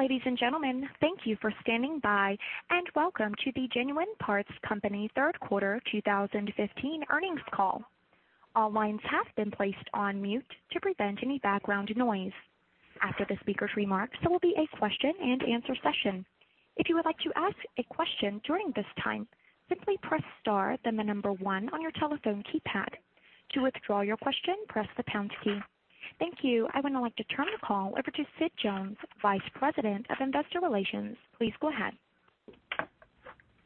Ladies and gentlemen, thank you for standing by, and welcome to the Genuine Parts Company third quarter 2015 earnings call. All lines have been placed on mute to prevent any background noise. After the speaker's remarks, there will be a question and answer session. If you would like to ask a question during this time, simply press star, then the number 1 on your telephone keypad. To withdraw your question, press the pound key. Thank you. I would now like to turn the call over to Sid Jones, Vice President of Investor Relations. Please go ahead.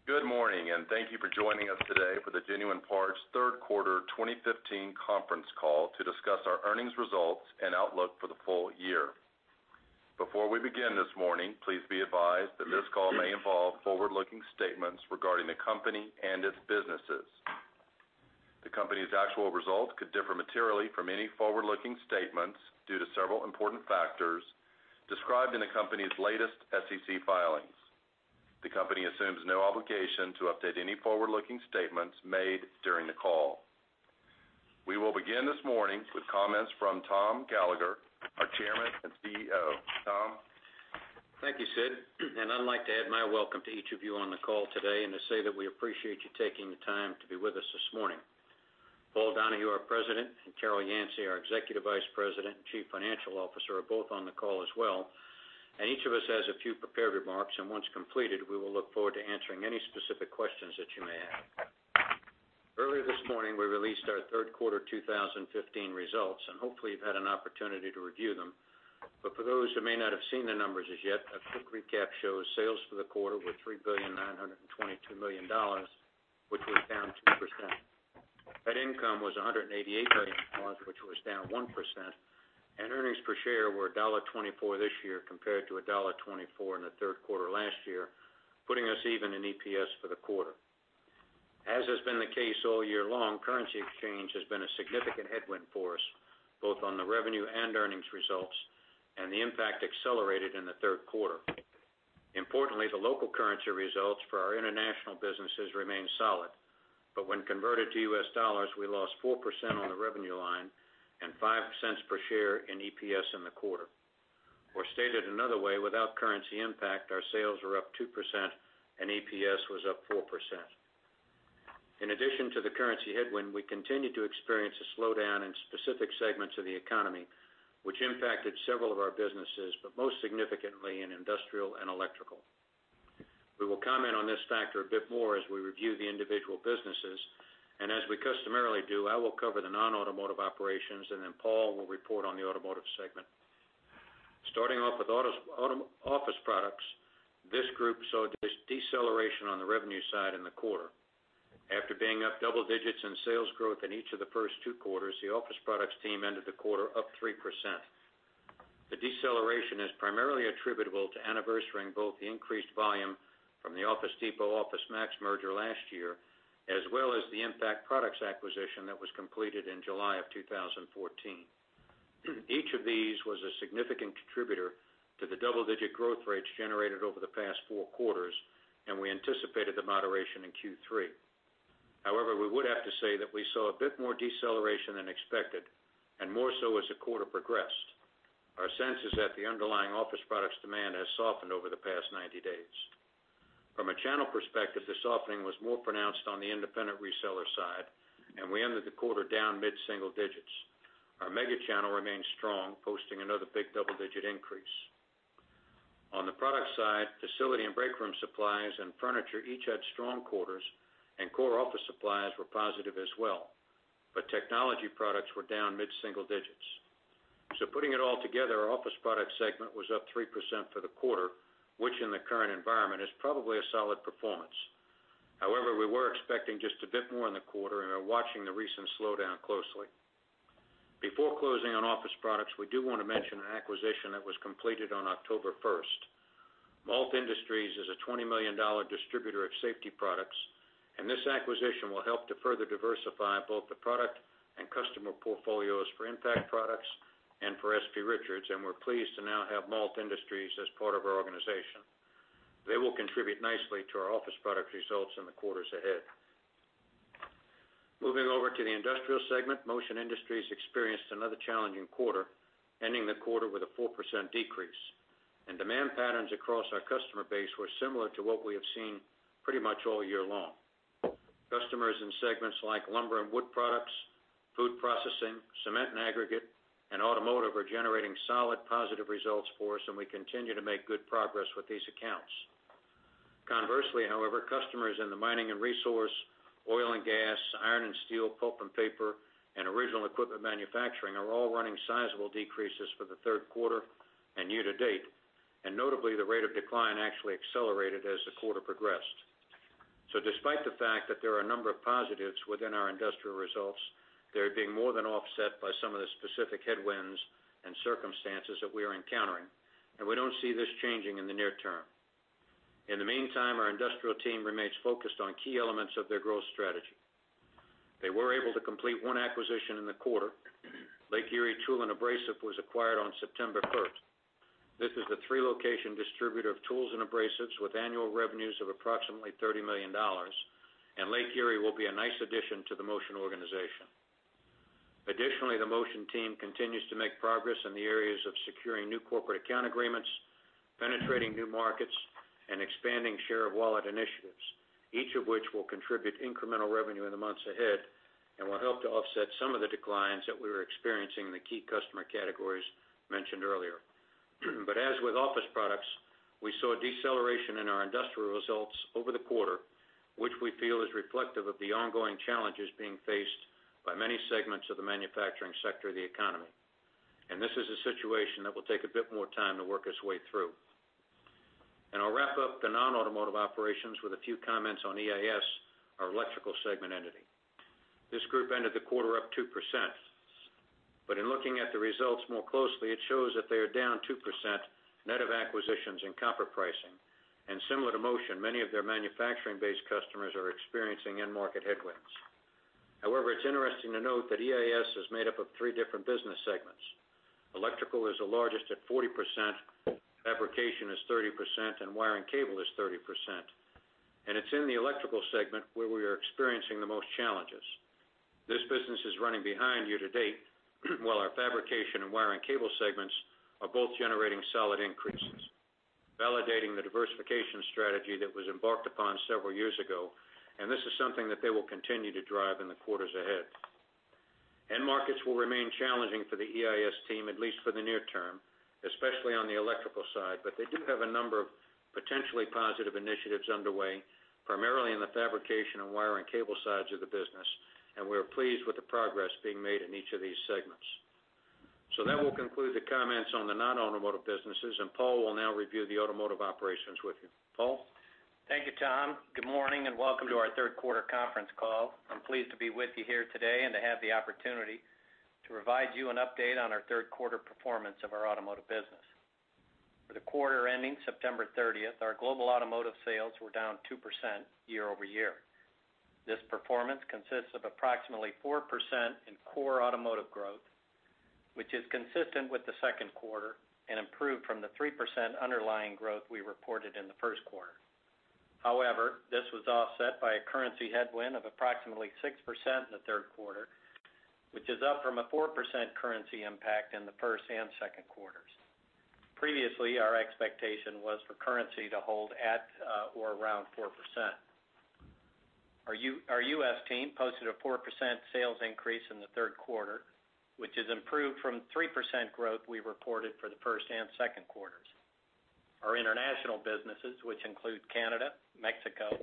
Good morning, thank you for joining us today for the Genuine Parts third quarter 2015 conference call to discuss our earnings results and outlook for the full year. Before we begin this morning, please be advised that this call may involve forward-looking statements regarding the company and its businesses. The company's actual results could differ materially from any forward-looking statements due to several important factors described in the company's latest SEC filings. The company assumes no obligation to update any forward-looking statements made during the call. We will begin this morning with comments from Tom Gallagher, our Chairman and CEO. Tom? Thank you, Sid. I'd like to add my welcome to each of you on the call today and to say that we appreciate you taking the time to be with us this morning. Paul Donahue, our President, and Carol Yancey, our Executive Vice President and Chief Financial Officer, are both on the call as well, and each of us has a few prepared remarks. Once completed, we will look forward to answering any specific questions that you may have. Earlier this morning, we released our third quarter 2015 results. Hopefully you've had an opportunity to review them. For those who may not have seen the numbers as yet, a quick recap shows sales for the quarter were $3,922,000,000, which was down 2%. Net income was $188 million, which was down 1%. Earnings per share were $1.24 this year compared to $1.24 in the third quarter last year, putting us even in EPS for the quarter. As has been the case all year long, currency exchange has been a significant headwind for us, both on the revenue and earnings results. The impact accelerated in the third quarter. Importantly, the local currency results for our international businesses remain solid. When converted to US dollars, we lost 4% on the revenue line and $0.05 per share in EPS in the quarter. Stated another way, without currency impact, our sales were up 2% and EPS was up 4%. In addition to the currency headwind, we continued to experience a slowdown in specific segments of the economy, which impacted several of our businesses, but most significantly in Industrial and Electrical. We will comment on this factor a bit more as we review the individual businesses. As we customarily do, I will cover the non-automotive operations, and then Paul will report on the automotive segment. Starting off with Office Products, this group saw a deceleration on the revenue side in the quarter. After being up double-digits in sales growth in each of the first two quarters, the Office Products team ended the quarter up 3%. The deceleration is primarily attributable to anniversarying both the increased volume from the Office Depot-OfficeMax merger last year, as well as the Impact Products acquisition that was completed in July of 2014. Each of these was a significant contributor to the double-digit growth rates generated over the past four quarters, and we anticipated the moderation in Q3. We would have to say that we saw a bit more deceleration than expected, and more so as the quarter progressed. Our sense is that the underlying office products demand has softened over the past 90 days. From a channel perspective, the softening was more pronounced on the independent reseller side, and we ended the quarter down mid-single-digits. Our mega channel remains strong, posting another big double-digit increase. On the product side, facility and break room supplies and furniture each had strong quarters, and core office supplies were positive as well. Technology products were down mid-single-digits. Putting it all together, our Office Products segment was up 3% for the quarter, which in the current environment is probably a solid performance. We were expecting just a bit more in the quarter and are watching the recent slowdown closely. Before closing on Office Products, we do want to mention an acquisition that was completed on October 1st. MALT Industries is a $20 million distributor of safety products, and this acquisition will help to further diversify both the product and customer portfolios for Impact Products and for S.P. Richards, and we're pleased to now have MALT Industries as part of our organization. They will contribute nicely to our Office Products results in the quarters ahead. Moving over to the Industrial segment, Motion Industries experienced another challenging quarter, ending the quarter with a 4% decrease. Demand patterns across our customer base were similar to what we have seen pretty much all year long. Customers in segments like lumber and wood products, food processing, cement and aggregate, and automotive are generating solid, positive results for us, and we continue to make good progress with these accounts. Conversely, however, customers in the mining and resource, oil and gas, iron and steel, pulp and paper, and original equipment manufacturing are all running sizable decreases for the third quarter and year to date. Notably, the rate of decline actually accelerated as the quarter progressed. Despite the fact that there are a number of positives within our Industrial results, they're being more than offset by some of the specific headwinds and circumstances that we are encountering, and we don't see this changing in the near term. In the meantime, our Industrial team remains focused on key elements of their growth strategy. They were able to complete one acquisition in the quarter. Lake Erie Abrasive & Tool was acquired on September 1st. This is a three-location distributor of tools and abrasives with annual revenues of approximately $30 million, and Lake Erie will be a nice addition to the Motion organization. Additionally, the Motion team continues to make progress in the areas of securing new corporate account agreements, penetrating new markets, and expanding share of wallet initiatives, each of which will contribute incremental revenue in the months ahead and will help to offset some of the declines that we were experiencing in the key customer categories mentioned earlier. But as with office products, we saw a deceleration in our industrial results over the quarter, which we feel is reflective of the ongoing challenges being faced by many segments of the manufacturing sector of the economy. This is a situation that will take a bit more time to work its way through. I'll wrap up the non-automotive operations with a few comments on EIS, our electrical segment entity. This group ended the quarter up 2%, but in looking at the results more closely, it shows that they are down 2% net of acquisitions and copper pricing. Similar to Motion, many of their manufacturing-based customers are experiencing end-market headwinds. However, it's interesting to note that EIS is made up of three different business segments. Electrical is the largest at 40%, fabrication is 30%, and wire and cable is 30%. It's in the electrical segment where we are experiencing the most challenges. This business is running behind year-to-date, while our fabrication and wire and cable segments are both generating solid increases, validating the diversification strategy that was embarked upon several years ago, and this is something that they will continue to drive in the quarters ahead. End markets will remain challenging for the EIS team, at least for the near term, especially on the electrical side, but they do have a number of potentially positive initiatives underway, primarily in the fabrication and wire and cable sides of the business, and we are pleased with the progress being made in each of these segments. That will conclude the comments on the non-automotive businesses, and Paul will now review the automotive operations with you. Paul? Thank you, Tom. Good morning and welcome to our third quarter conference call. I'm pleased to be with you here today and to have the opportunity to provide you an update on our third quarter performance of our automotive business. For the quarter ending September 30th, our global automotive sales were down 2% year-over-year. This performance consists of approximately 4% in core automotive growth, which is consistent with the second quarter and improved from the 3% underlying growth we reported in the first quarter. This was offset by a currency headwind of approximately 6% in the third quarter, which is up from a 4% currency impact in the first and second quarters. Previously, our expectation was for currency to hold at or around 4%. Our U.S. team posted a 4% sales increase in the third quarter, which is improved from 3% growth we reported for the first and second quarters. Our international businesses, which include Canada, Mexico,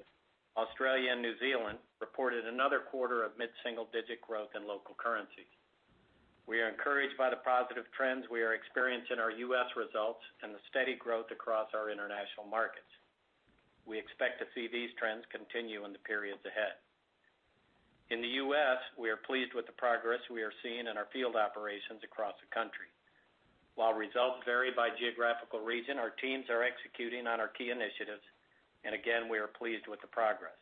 Australia, and New Zealand, reported another quarter of mid-single-digit growth in local currencies. We are encouraged by the positive trends we are experiencing in our U.S. results and the steady growth across our international markets. We expect to see these trends continue in the periods ahead. In the U.S., we are pleased with the progress we are seeing in our field operations across the country. While results vary by geographical region, our teams are executing on our key initiatives and again, we are pleased with the progress.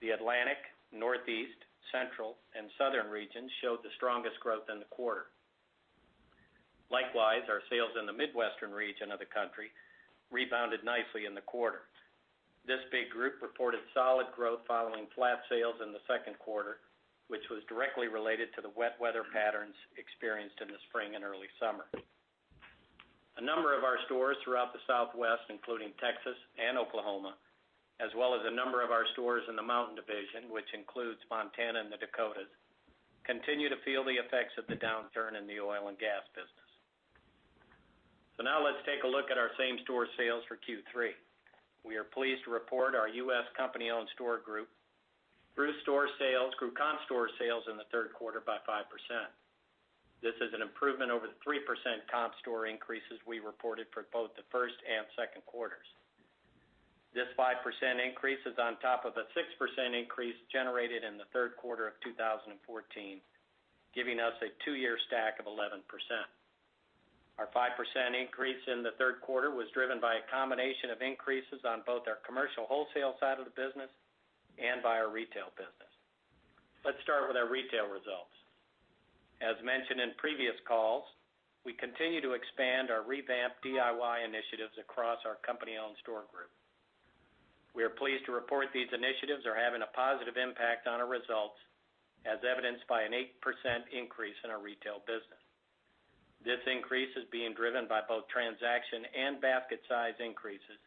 The Atlantic, Northeast, Central, and Southern regions showed the strongest growth in the quarter. Likewise, our sales in the Midwestern region of the country rebounded nicely in the quarter. This big group reported solid growth following flat sales in the second quarter, which was directly related to the wet weather patterns experienced in the spring and early summer. A number of our stores throughout the Southwest, including Texas and Oklahoma, as well as a number of our stores in the Mountain Division, which includes Montana and the Dakotas, continue to feel the effects of the downturn in the oil and gas business. Now let's take a look at our same-store sales for Q3. We are pleased to report our U.S. company-owned store group through store sales grew comp store sales in the third quarter by 5%. This is an improvement over the 3% comp store increases we reported for both the first and second quarters. This 5% increase is on top of a 6% increase generated in the third quarter of 2014, giving us a two-year stack of 11%. Our 5% increase in the third quarter was driven by a combination of increases on both our commercial wholesale side of the business and by our retail business. Let's start with our retail results. As mentioned in previous calls, we continue to expand our revamped DIY initiatives across our company-owned store group. We are pleased to report these initiatives are having a positive impact on our results, as evidenced by an 8% increase in our retail business. This increase is being driven by both transaction and basket size increases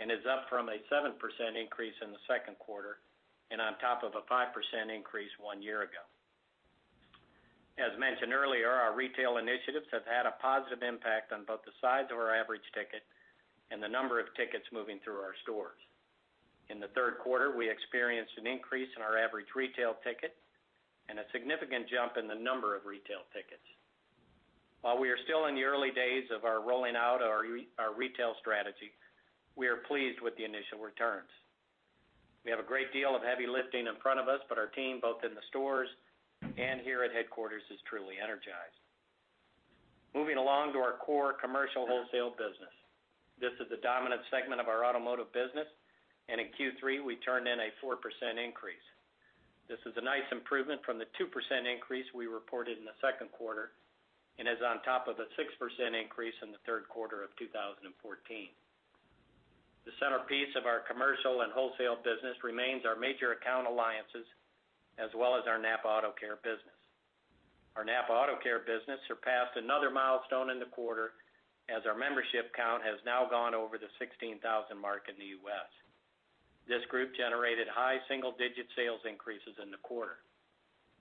and is up from a 7% increase in the second quarter and on top of a 5% increase one year ago. As mentioned earlier, our retail initiatives have had a positive impact on both the size of our average ticket and the number of tickets moving through our stores. In the third quarter, we experienced an increase in our average retail ticket and a significant jump in the number of retail tickets. While we are still in the early days of our rolling out our retail strategy, we are pleased with the initial returns. We have a great deal of heavy lifting in front of us, but our team, both in the stores and here at headquarters, is truly energized. Moving along to our core commercial wholesale business. This is the dominant segment of our automotive business, and in Q3, we turned in a 4% increase. This is a nice improvement from the 2% increase we reported in the second quarter and is on top of a 6% increase in the third quarter of 2014. The centerpiece of our commercial and wholesale business remains our major account alliances, as well as our NAPA AutoCare business. Our NAPA AutoCare business surpassed another milestone in the quarter, as our membership count has now gone over the 16,000 mark in the U.S. This group generated high single-digit sales increases in the quarter.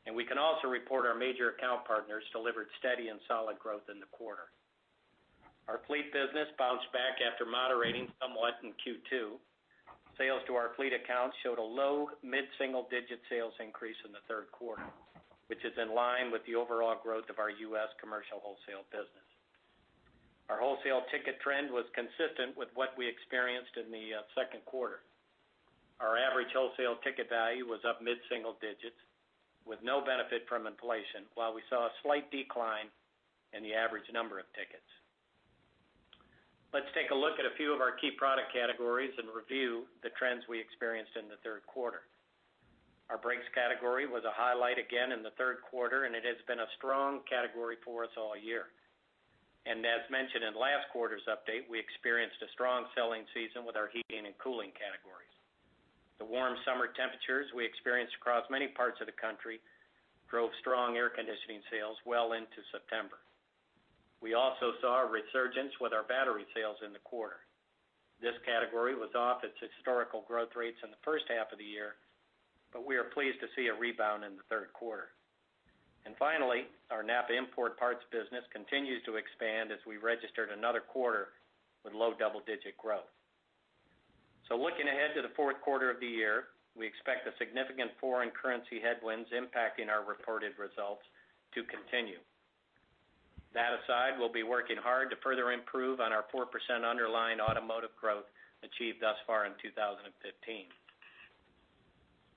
We can also report our major account partners delivered steady and solid growth in the quarter. Our fleet business bounced back after moderating somewhat in Q2. Sales to our fleet accounts showed a low mid-single-digit sales increase in the third quarter, which is in line with the overall growth of our U.S. commercial wholesale business. Our wholesale ticket trend was consistent with what we experienced in the second quarter. Our average wholesale ticket value was up mid-single digits with no benefit from inflation, while we saw a slight decline in the average number of tickets. Let's take a look at a few of our key product categories and review the trends we experienced in the third quarter. Our brakes category was a highlight again in the third quarter, and it has been a strong category for us all year. As mentioned in last quarter's update, we experienced a strong selling season with our heating and cooling categories. The warm summer temperatures we experienced across many parts of the country drove strong air conditioning sales well into September. We also saw a resurgence with our battery sales in the quarter. This category was off its historical growth rates in the first half of the year, but we are pleased to see a rebound in the third quarter. Finally, our NAPA Import Parts business continues to expand as we registered another quarter with low double-digit growth. Looking ahead to the fourth quarter of the year, we expect the significant foreign currency headwinds impacting our reported results to continue. That aside, we'll be working hard to further improve on our 4% underlying automotive growth achieved thus far in 2015.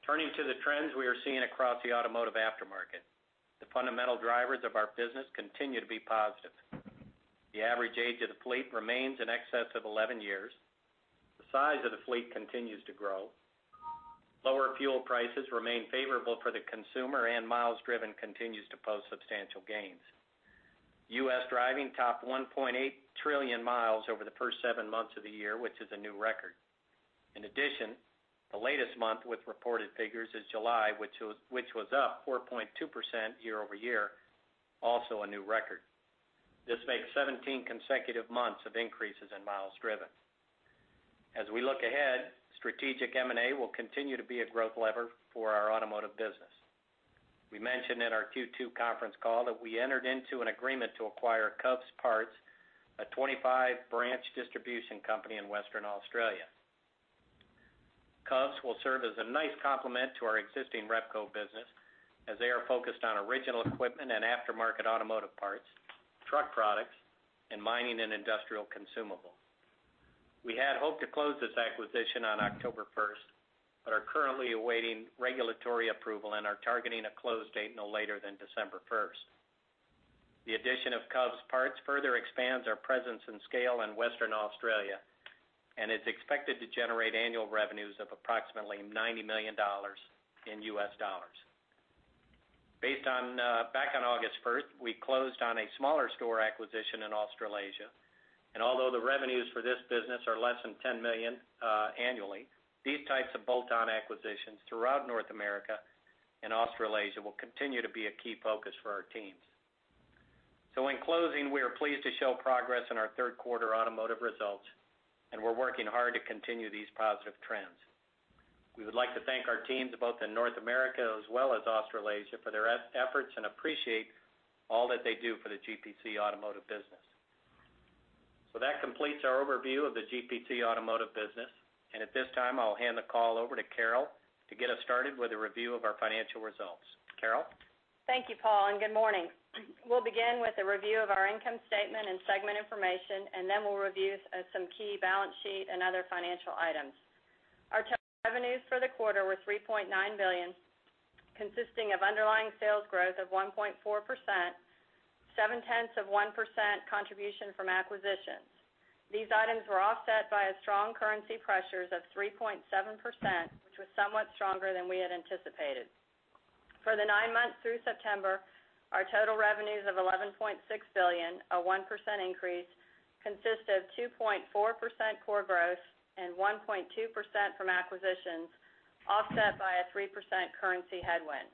Turning to the trends we are seeing across the automotive aftermarket, the fundamental drivers of our business continue to be positive. The average age of the fleet remains in excess of 11 years. The size of the fleet continues to grow. Lower fuel prices remain favorable for the consumer, and miles driven continues to post substantial gains. U.S. driving topped 1.8 trillion miles over the first seven months of the year, which is a new record. In addition, the latest month with reported figures is July, which was up 4.2% year-over-year, also a new record. This makes 17 consecutive months of increases in miles driven. As we look ahead, strategic M&A will continue to be a growth lever for our automotive business. We mentioned in our Q2 conference call that we entered into an agreement to acquire Covs Parts, a 25-branch distribution company in Western Australia. Covs will serve as a nice complement to our existing Repco business, as they are focused on original equipment and aftermarket automotive parts, truck products, and mining and industrial consumable. We had hoped to close this acquisition on October 1st, but are currently awaiting regulatory approval and are targeting a close date no later than December 1st. The addition of Covs Parts further expands our presence and scale in Western Australia and is expected to generate annual revenues of approximately $90 million. Back on August 1st, we closed on a smaller store acquisition in Australasia, and although the revenues for this business are less than $10 million annually, these types of bolt-on acquisitions throughout North America and Australasia will continue to be a key focus for our teams. In closing, we are pleased to show progress in our third-quarter automotive results, and we're working hard to continue these positive trends. We would like to thank our teams both in North America as well as Australasia for their efforts, and appreciate all that they do for the GPC Automotive business. That completes our overview of the GPC Automotive business. At this time, I'll hand the call over to Carol to get us started with a review of our financial results. Carol? Thank you, Paul, and good morning. We'll begin with a review of our income statement and segment information. Then we'll review some key balance sheet and other financial items. Our total revenues for the quarter were $3.9 billion, consisting of underlying sales growth of 1.4%, seven-tenths of 1% contribution from acquisitions. These items were offset by strong currency pressures of 3.7%, which was somewhat stronger than we had anticipated. For the nine months through September, our total revenues of $11.6 billion, a 1% increase, consist of 2.4% core growth and 1.2% from acquisitions, offset by a 3% currency headwind.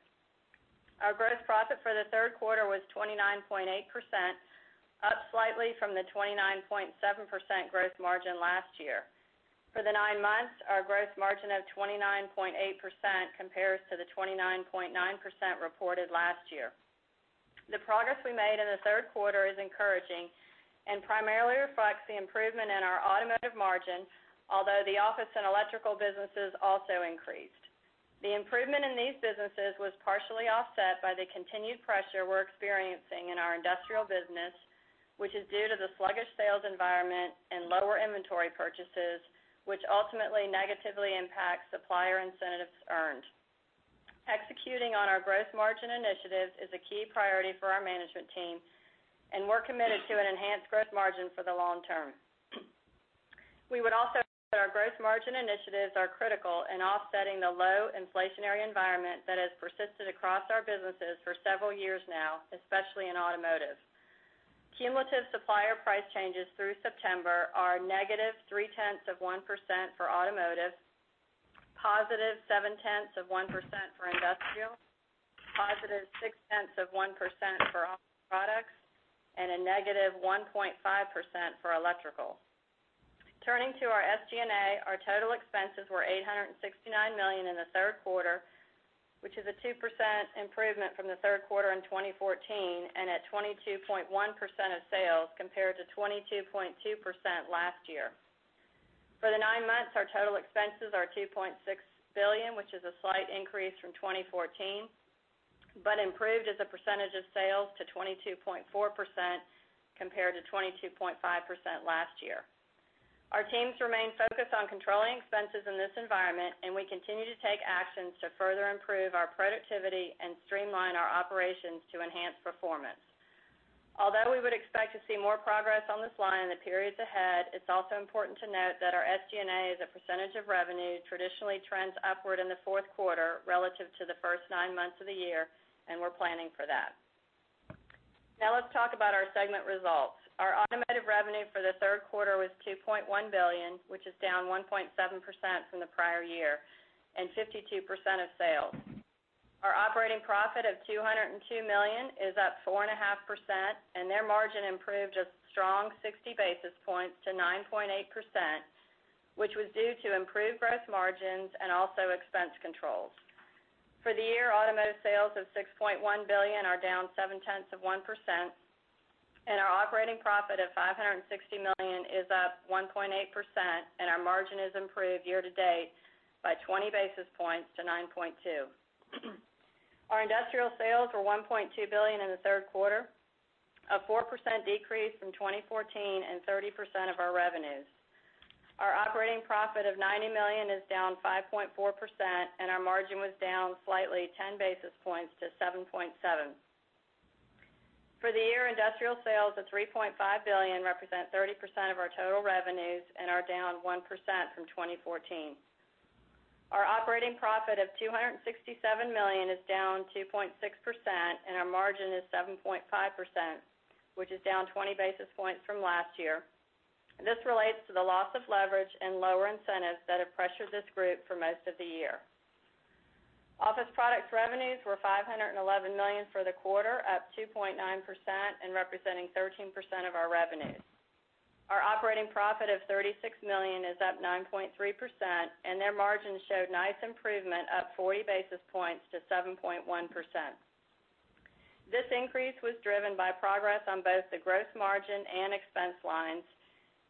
Our gross profit for the third quarter was 29.8%, up slightly from the 29.7% gross margin last year. For the nine months, our gross margin of 29.8% compares to the 29.9% reported last year. The progress we made in the third quarter is encouraging and primarily reflects the improvement in our automotive margin, although the office and electrical businesses also increased. The improvement in these businesses was partially offset by the continued pressure we're experiencing in our industrial business, which is due to the sluggish sales environment and lower inventory purchases, which ultimately negatively impacts supplier incentives earned. Executing on our gross margin initiatives is a key priority for our management team. We're committed to an enhanced gross margin for the long term. We would also say that our gross margin initiatives are critical in offsetting the low inflationary environment that has persisted across our businesses for several years now, especially in automotive. Cumulative supplier price changes through September are negative 0.3% for automotive, positive 0.7% for industrial, positive 0.6% for office products, and a negative 1.5% for electrical. Turning to our SG&A, our total expenses were $869 million in the third quarter, which is a 2% improvement from the third quarter in 2014, and at 22.1% of sales, compared to 22.2% last year. For the nine months, our total expenses are $2.6 billion, which is a slight increase from 2014, but improved as a percentage of sales to 22.4%, compared to 22.5% last year. Our teams remain focused on controlling expenses in this environment, and we continue to take actions to further improve our productivity and streamline our operations to enhance performance. Although we would expect to see more progress on this line in the periods ahead, it's also important to note that our SG&A, as a percentage of revenue, traditionally trends upward in the fourth quarter relative to the first nine months of the year, and we're planning for that. Let's talk about our segment results. Our automotive revenue for the third quarter was $2.1 billion, which is down 1.7% from the prior year and 52% of sales. Our operating profit of $202 million is up 4.5%, and their margin improved a strong 60 basis points to 9.8%, which was due to improved gross margins and also expense controls. For the year, automotive sales of $6.1 billion are down 0.7%, and our operating profit of $560 million is up 1.8%, and our margin is improved year to date by 20 basis points to 9.2%. Our industrial sales were $1.2 billion in the third quarter, a 4% decrease from 2014 and 30% of our revenues. Our operating profit of $90 million is down 5.4%, and our margin was down slightly 10 basis points to 7.7%. For the year, industrial sales of $3.5 billion represent 30% of our total revenues and are down 1% from 2014. Our operating profit of $267 million is down 2.6%, and our margin is 7.5%, which is down 20 basis points from last year. This relates to the loss of leverage and lower incentives that have pressured this group for most of the year. Office Products revenues were $511 million for the quarter, up 2.9% and representing 13% of our revenues. Our operating profit of $36 million is up 9.3%, and their margin showed nice improvement, up 40 basis points to 7.1%. This increase was driven by progress on both the gross margin and expense lines,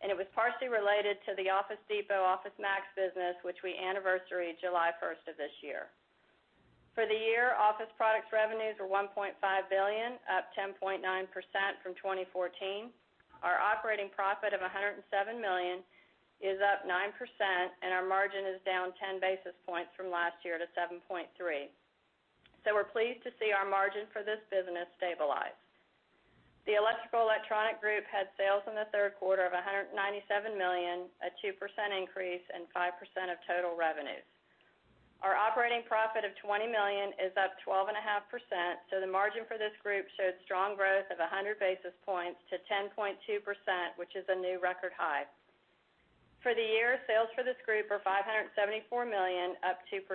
and it was partially related to the Office Depot OfficeMax business, which we anniversaried July 1st of this year. For the year, Office Products revenues were $1.5 billion, up 10.9% from 2014. Our operating profit of $107 million is up 9%, and our margin is down 10 basis points from last year to 7.3%. We're pleased to see our margin for this business stabilize. The Electrical Electronic Group had sales in the third quarter of $197 million, a 2% increase and 5% of total revenues. Our operating profit of $20 million is up 12.5%, the margin for this group showed strong growth of 100 basis points to 10.2%, which is a new record high. For the year, sales for this group are $574 million, up 2%.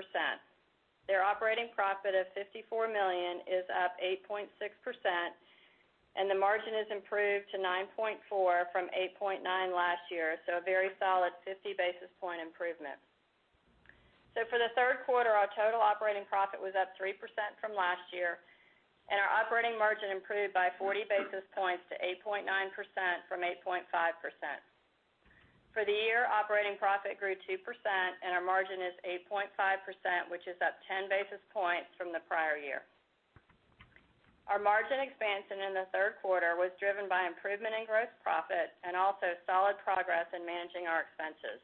Their operating profit of $54 million is up 8.6%. The margin is improved to 9.4% from 8.9% last year. A very solid 50 basis point improvement. For the third quarter, our total operating profit was up 3% from last year. Our operating margin improved by 40 basis points to 8.9% from 8.5%. For the year, operating profit grew 2%. Our margin is 8.5%, which is up 10 basis points from the prior year. Our margin expansion in the third quarter was driven by improvement in gross profit and also solid progress in managing our expenses.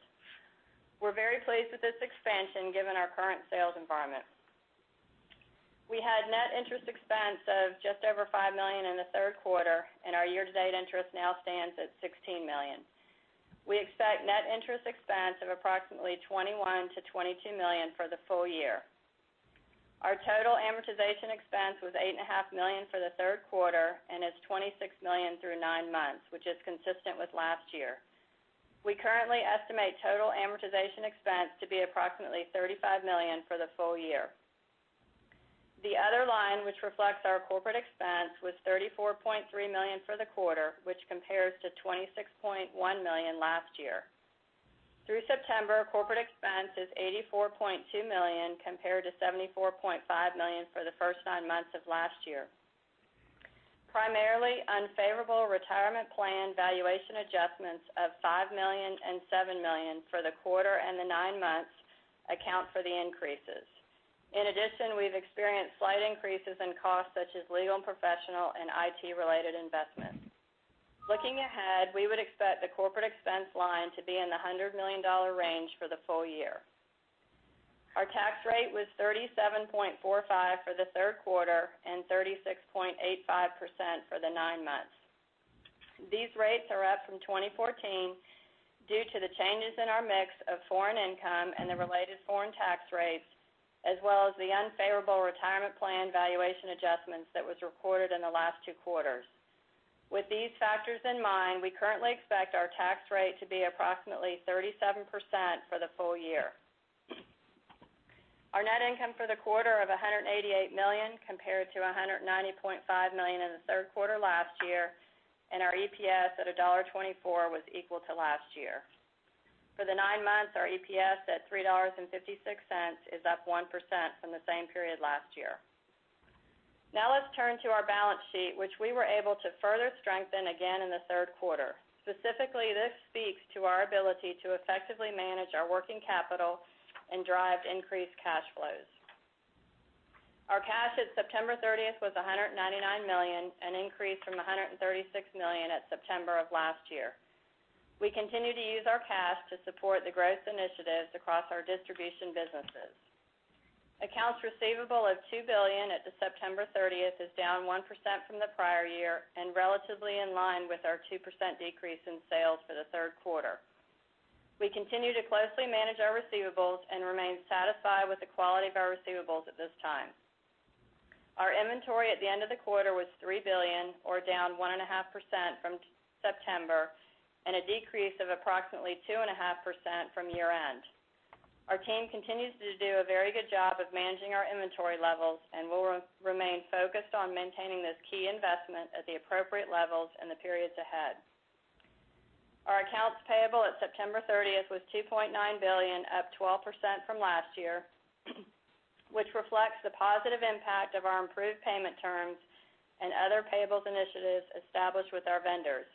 We're very pleased with this expansion given our current sales environment. We had net interest expense of just over $5 million in the third quarter. Our year-to-date interest now stands at $16 million. We expect net interest expense of approximately $21 million-$22 million for the full year. Our total amortization expense was eight and a half million for the third quarter. Is $26 million through nine months, which is consistent with last year. We currently estimate total amortization expense to be approximately $35 million for the full year. The other line, which reflects our corporate expense, was $34.3 million for the quarter, which compares to $26.1 million last year. Through September, corporate expense is $84.2 million compared to $74.5 million for the first nine months of last year. Primarily unfavorable retirement plan valuation adjustments of $5 million and $7 million for the quarter and the nine months account for the increases. In addition, we've experienced slight increases in costs such as legal and professional and IT-related investments. Looking ahead, we would expect the corporate expense line to be in the $100 million range for the full year. Our tax rate was 37.45% for the third quarter. 36.85% for the nine months. These rates are up from 2014 due to the changes in our mix of foreign income and the related foreign tax rates, as well as the unfavorable retirement plan valuation adjustments that was recorded in the last two quarters. With these factors in mind, we currently expect our tax rate to be approximately 37% for the full year. Our net income for the quarter of $188 million compared to $190.5 million in the third quarter last year. Our EPS at $1.24 was equal to last year. For the nine months, our EPS at $3.56 is up 1% from the same period last year. Let's turn to our balance sheet, which we were able to further strengthen again in the third quarter. Specifically, this speaks to our ability to effectively manage our working capital and drive increased cash flows. Our cash at September 30th was $199 million, an increase from $136 million at September of last year. We continue to use our cash to support the growth initiatives across our distribution businesses. Accounts receivable of $2 billion at the September 30th is down 1% from the prior year. Relatively in line with our 2% decrease in sales for the third quarter. We continue to closely manage our receivables and remain satisfied with the quality of our receivables at this time. Our inventory at the end of the quarter was $3 billion. Down 1.5% from September. A decrease of approximately 2.5% from year-end. Our team continues to do a very good job of managing our inventory levels, and will remain focused on maintaining this key investment at the appropriate levels in the periods ahead. Our accounts payable at September 30th was $2.9 billion, up 12% from last year, which reflects the positive impact of our improved payment terms and other payables initiatives established with our vendors.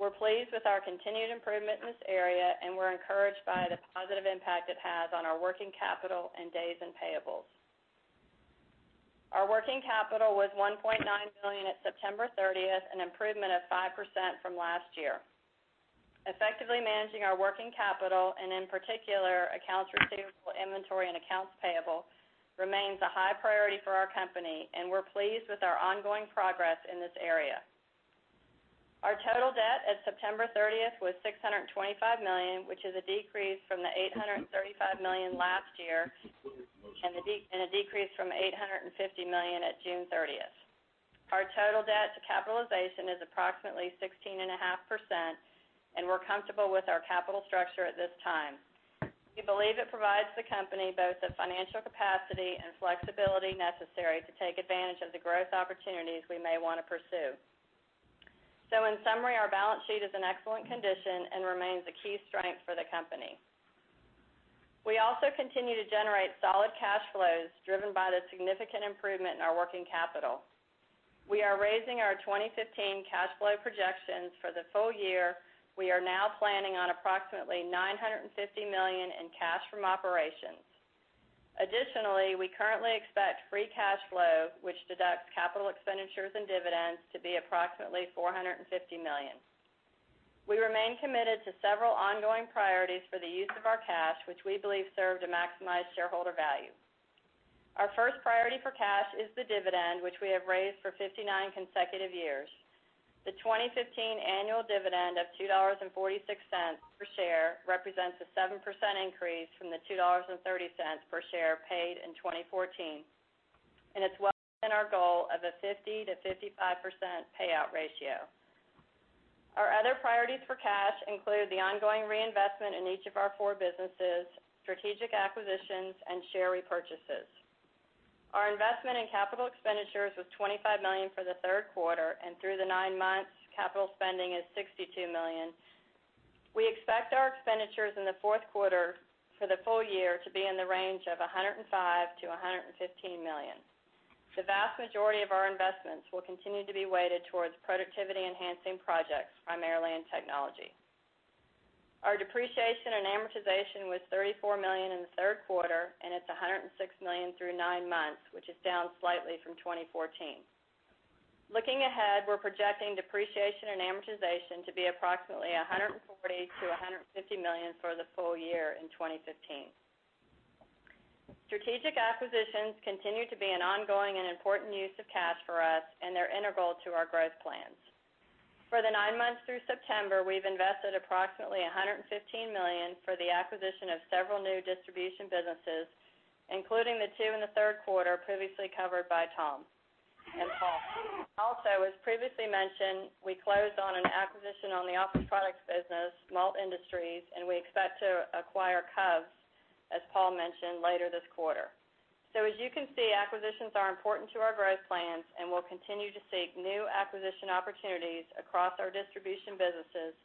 We're pleased with our continued improvement in this area, and we're encouraged by the positive impact it has on our working capital and days in payables. Our working capital was $1.9 billion at September 30th, an improvement of 5% from last year. Effectively managing our working capital, and in particular, accounts receivable, inventory, and accounts payable, remains a high priority for our company, and we're pleased with our ongoing progress in this area. Our total debt at September 30th was $625 million, which is a decrease from the $835 million last year, and a decrease from $850 million at June 30th. Our total debt to capitalization is approximately 16.5%, and we're comfortable with our capital structure at this time. We believe it provides the company both the financial capacity and flexibility necessary to take advantage of the growth opportunities we may want to pursue. In summary, our balance sheet is in excellent condition and remains a key strength for the company. We also continue to generate solid cash flows driven by the significant improvement in our working capital. We are raising our 2015 cash flow projections for the full year. We are now planning on approximately $950 million in cash from operations. Additionally, we currently expect free cash flow, which deducts capital expenditures and dividends, to be approximately $450 million. We remain committed to several ongoing priorities for the use of our cash, which we believe serve to maximize shareholder value. Our first priority for cash is the dividend, which we have raised for 59 consecutive years. The 2015 annual dividend of $2.46 per share represents a 7% increase from the $2.30 per share paid in 2014, and it's well within our goal of a 50%-55% payout ratio. Our other priorities for cash include the ongoing reinvestment in each of our four businesses, strategic acquisitions, and share repurchases. Our investment in capital expenditures was $25 million for the third quarter, and through the nine months, capital spending is $62 million. We expect our expenditures in the fourth quarter for the full year to be in the range of $105 million-$115 million. The vast majority of our investments will continue to be weighted towards productivity-enhancing projects, primarily in technology. Our depreciation and amortization was $34 million in the third quarter, and it's $106 million through nine months, which is down slightly from 2014. Looking ahead, we're projecting depreciation and amortization to be approximately $140 million-$150 million for the full year in 2015. Strategic acquisitions continue to be an ongoing and important use of cash for us, and they're integral to our growth plans. For the nine months through September, we've invested approximately $115 million for the acquisition of several new distribution businesses, including the two in the third quarter previously covered by Tom and Paul. As previously mentioned, we closed on an acquisition on the office products business, MALT Industries, and we expect to acquire Covs Parts, as Paul mentioned, later this quarter. As you can see, acquisitions are important to our growth plans, and we'll continue to seek new acquisition opportunities across our distribution businesses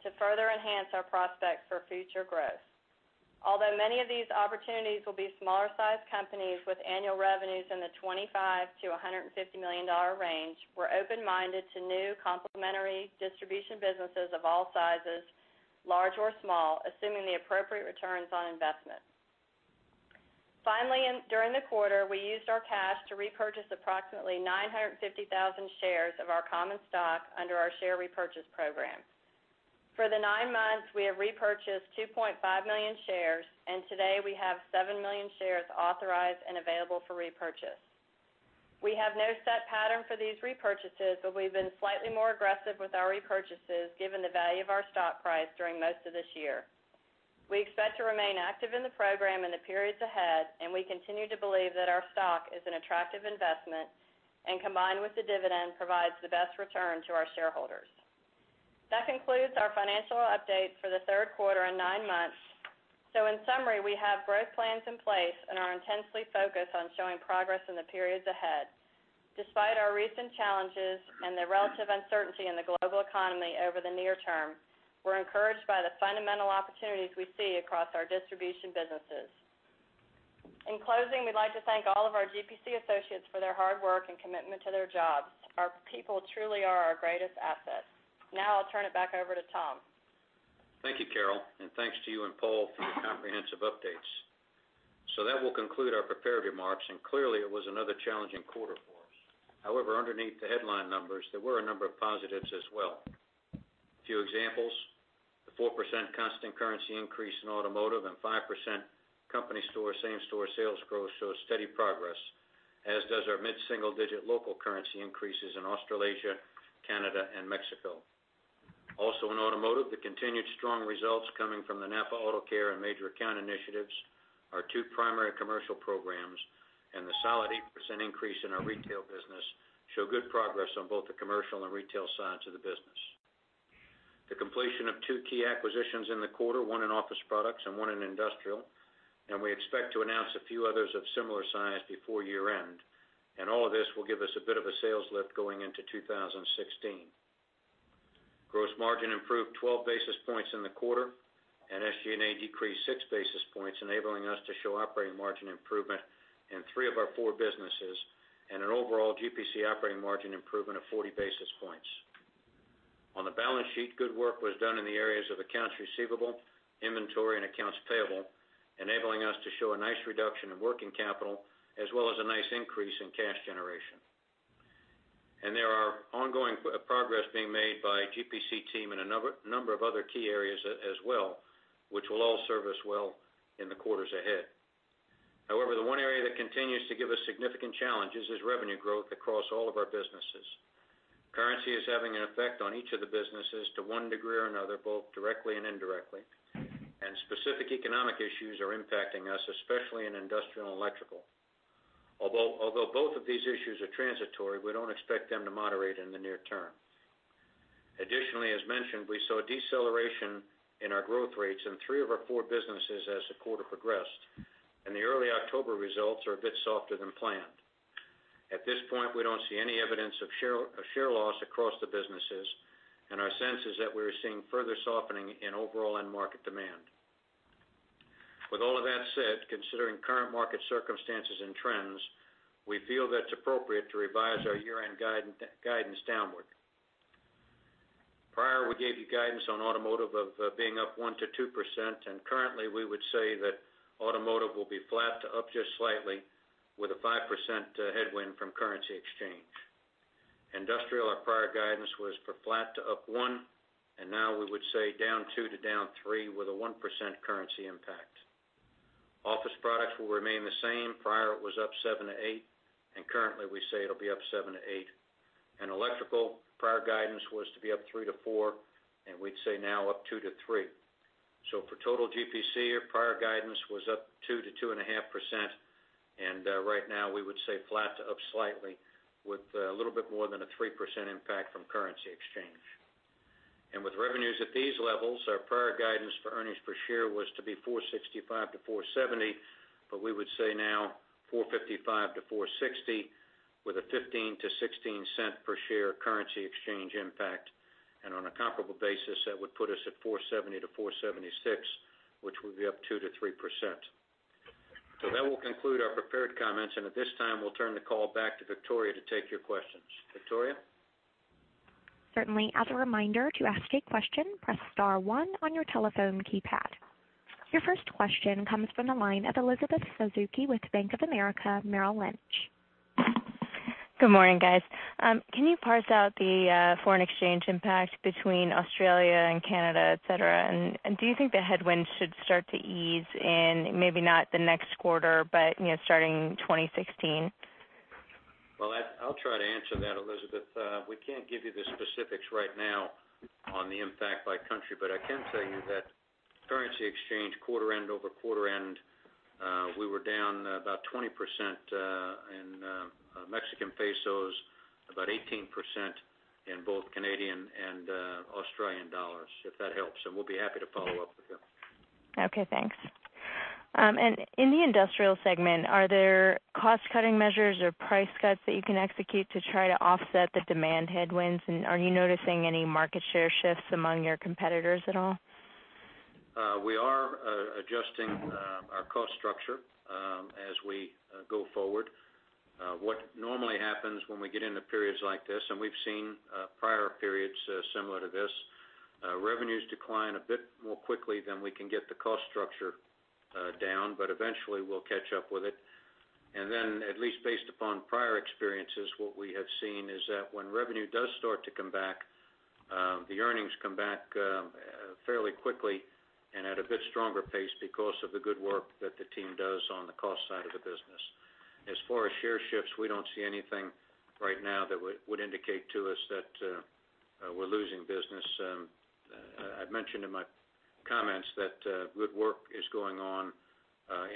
to further enhance our prospects for future growth. Although many of these opportunities will be smaller-sized companies with annual revenues in the $25 million-$150 million range, we're open-minded to new complementary distribution businesses of all sizes, large or small, assuming the appropriate returns on investment. Finally, during the quarter, we used our cash to repurchase approximately 950,000 shares of our common stock under our share repurchase program. For the nine months, we have repurchased 2.5 million shares, and today we have 7 million shares authorized and available for repurchase. We have no set pattern for these repurchases, but we've been slightly more aggressive with our repurchases given the value of our stock price during most of this year. We expect to remain active in the program in the periods ahead, and we continue to believe that our stock is an attractive investment, and combined with the dividend, provides the best return to our shareholders. That concludes our financial updates for the third quarter and nine months. In summary, we have growth plans in place and are intensely focused on showing progress in the periods ahead. Despite our recent challenges and the relative uncertainty in the global economy over the near term, we're encouraged by the fundamental opportunities we see across our distribution businesses. In closing, we'd like to thank all of our GPC associates for their hard work and commitment to their jobs. Our people truly are our greatest asset. Now I'll turn it back over to Tom. Thank you, Carol, and thanks to you and Paul for your comprehensive updates. That will conclude our prepared remarks, and clearly it was another challenging quarter for us. However, underneath the headline numbers, there were a number of positives as well. A few examples, the 4% constant currency increase in Automotive and 5% company store same store sales growth show steady progress, as does our mid-single-digit local currency increases in Australasia, Canada and Mexico. Also in Automotive, the continued strong results coming from the NAPA AutoCare and Major Account Initiatives, our two primary commercial programs, and the solid 8% increase in our retail business, show good progress on both the commercial and retail sides of the business. The completion of two key acquisitions in the quarter, one in Office Products and one in Industrial. We expect to announce a few others of similar size before year-end. All of this will give us a bit of a sales lift going into 2016. gross margin improved 12 basis points in the quarter. SG&A decreased six basis points, enabling us to show operating margin improvement in three of our four businesses, an overall GPC operating margin improvement of 40 basis points. On the balance sheet, good work was done in the areas of accounts receivable, inventory, and accounts payable, enabling us to show a nice reduction in working capital, as well as a nice increase in cash generation. There are ongoing progress being made by GPC team in a number of other key areas as well, which will all serve us well in the quarters ahead. However, the one area that continues to give us significant challenges is revenue growth across all of our businesses. Currency is having an effect on each of the businesses to one degree or another, both directly and indirectly, and specific economic issues are impacting us, especially in Industrial and Electrical. Although both of these issues are transitory, we don't expect them to moderate in the near term. Additionally, as mentioned, we saw a deceleration in our growth rates in three of our four businesses as the quarter progressed. The early October results are a bit softer than planned. At this point, we don't see any evidence of share loss across the businesses, and our sense is that we are seeing further softening in overall end market demand. With all of that said, considering current market circumstances and trends, we feel that it's appropriate to revise our year-end guidance downward. Prior, we gave you guidance on Automotive of being up 1%-2%, and currently we would say that Automotive will be flat to up just slightly with a 5% headwind from currency exchange. Industrial, our prior guidance was for flat to up one, and now we would say down two to down three, with a 1% currency impact. Office Products will remain the same. Prior, it was up seven to eight, and currently we say it'll be up seven to eight. Electrical, prior guidance was to be up three to four, and we'd say now up two to three. For total GPC, our prior guidance was up 2%-2.5%, and right now we would say flat to up slightly with a little bit more than a 3% impact from currency exchange. With revenues at these levels, our prior guidance for earnings per share was to be $4.65-$4.70, but we would say now $4.55-$4.60 with a $0.15-$0.16 per share currency exchange impact. On a comparable basis, that would put us at $4.70-$4.76, which would be up 2%-3%. That will conclude our prepared comments, and at this time, we'll turn the call back to Victoria to take your questions. Victoria? Certainly. As a reminder, to ask a question, press star one on your telephone keypad. Your first question comes from the line of Elizabeth Suzuki with Bank of America, Merrill Lynch. Good morning, guys. Can you parse out the foreign exchange impact between Australia and Canada, et cetera? Do you think the headwinds should start to ease in, maybe not the next quarter, but starting 2016? Well, I'll try to answer that, Elizabeth. We can't give you the specifics right now on the impact by country, but I can tell you that currency exchange quarter end over quarter end, we were down about 20% in Mexican pesos, about 18% in both Canadian and Australian dollars, if that helps. We'll be happy to follow up with you. Okay, thanks. In the Industrial segment, are there cost-cutting measures or price cuts that you can execute to try to offset the demand headwinds? Are you noticing any market share shifts among your competitors at all? We are adjusting our cost structure as we go forward. What normally happens when we get into periods like this, and we've seen prior periods similar to this, revenues decline a bit more quickly than we can get the cost structure down, but eventually we'll catch up with it. Then, at least based upon prior experiences, what we have seen is that when revenue does start to come back, the earnings come back fairly quickly and at a bit stronger pace because of the good work that the team does on the cost side of the business. As far as share shifts, we don't see anything right now that would indicate to us that we're losing business. I've mentioned in my comments that good work is going on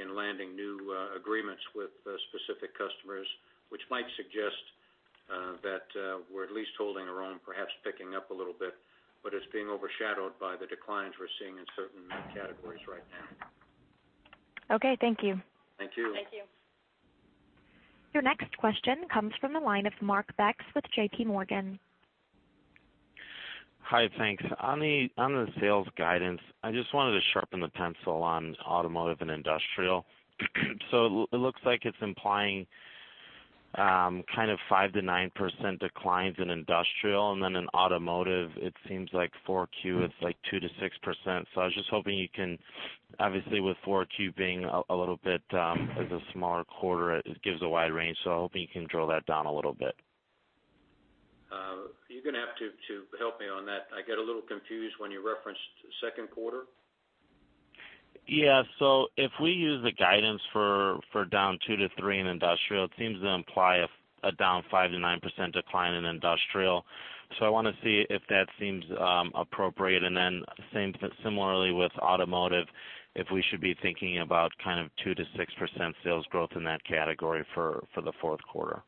in landing new agreements with specific customers, which might suggest that we're at least holding our own, perhaps picking up a little bit. It's being overshadowed by the declines we're seeing in certain categories right now. Okay, thank you. Thank you. Thank you. Your next question comes from the line of Mark Becks with J.P. Morgan. Hi, thanks. On the sales guidance, I just wanted to sharpen the pencil on automotive and industrial. It looks like it's implying kind of 5%-9% declines in industrial, and then in automotive it seems like 4Q is like 2%-6%. I was just hoping you can, obviously with 4Q being a little bit as a smaller quarter, it gives a wide range. I was hoping you can drill that down a little bit. You're going to have to help me on that. I get a little confused when you referenced second quarter. Yeah. If we use the guidance for down two to three in industrial, it seems to imply a down 5%-9% decline in industrial. I want to see if that seems appropriate, and then similarly with automotive, if we should be thinking about kind of 2%-6% sales growth in that category for the fourth quarter.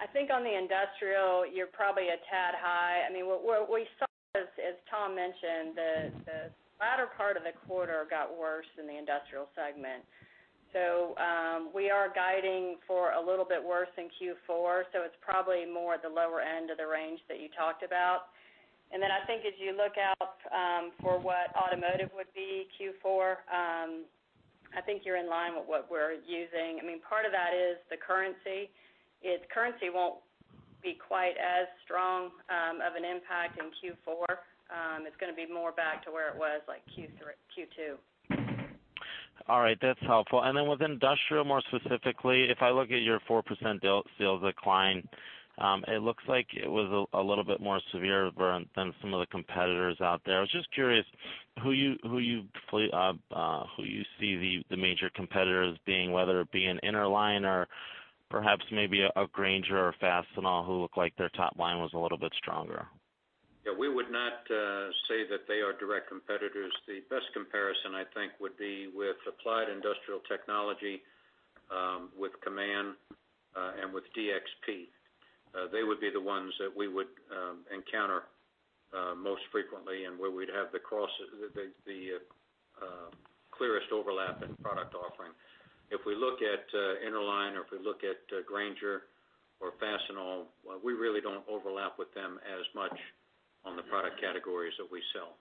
I think on the industrial, you're probably a tad high. What we saw is, as Tom mentioned, the latter part of the quarter got worse in the industrial segment. We are guiding for a little bit worse in Q4, it's probably more at the lower end of the range that you talked about. I think as you look out for what automotive would be Q4, I think you're in line with what we're using. Part of that is the currency. Its currency won't be quite as strong of an impact in Q4. It's going to be more back to where it was like Q2. All right. That's helpful. With industrial more specifically, if I look at your 4% sales decline, it looks like it was a little bit more severe than some of the competitors out there. I was just curious who you see the major competitors being, whether it be an Interline or perhaps maybe a Grainger or Fastenal who look like their top line was a little bit stronger. Yeah, we would not say that they are direct competitors. The best comparison, I think, would be with Applied Industrial Technologies, with Kaman, and with DXP. They would be the ones that we would encounter most frequently and where we'd have the clearest overlap in product offering. If we look at Interline or if we look at Grainger or Fastenal, we really don't overlap with them as much on the product categories that we sell.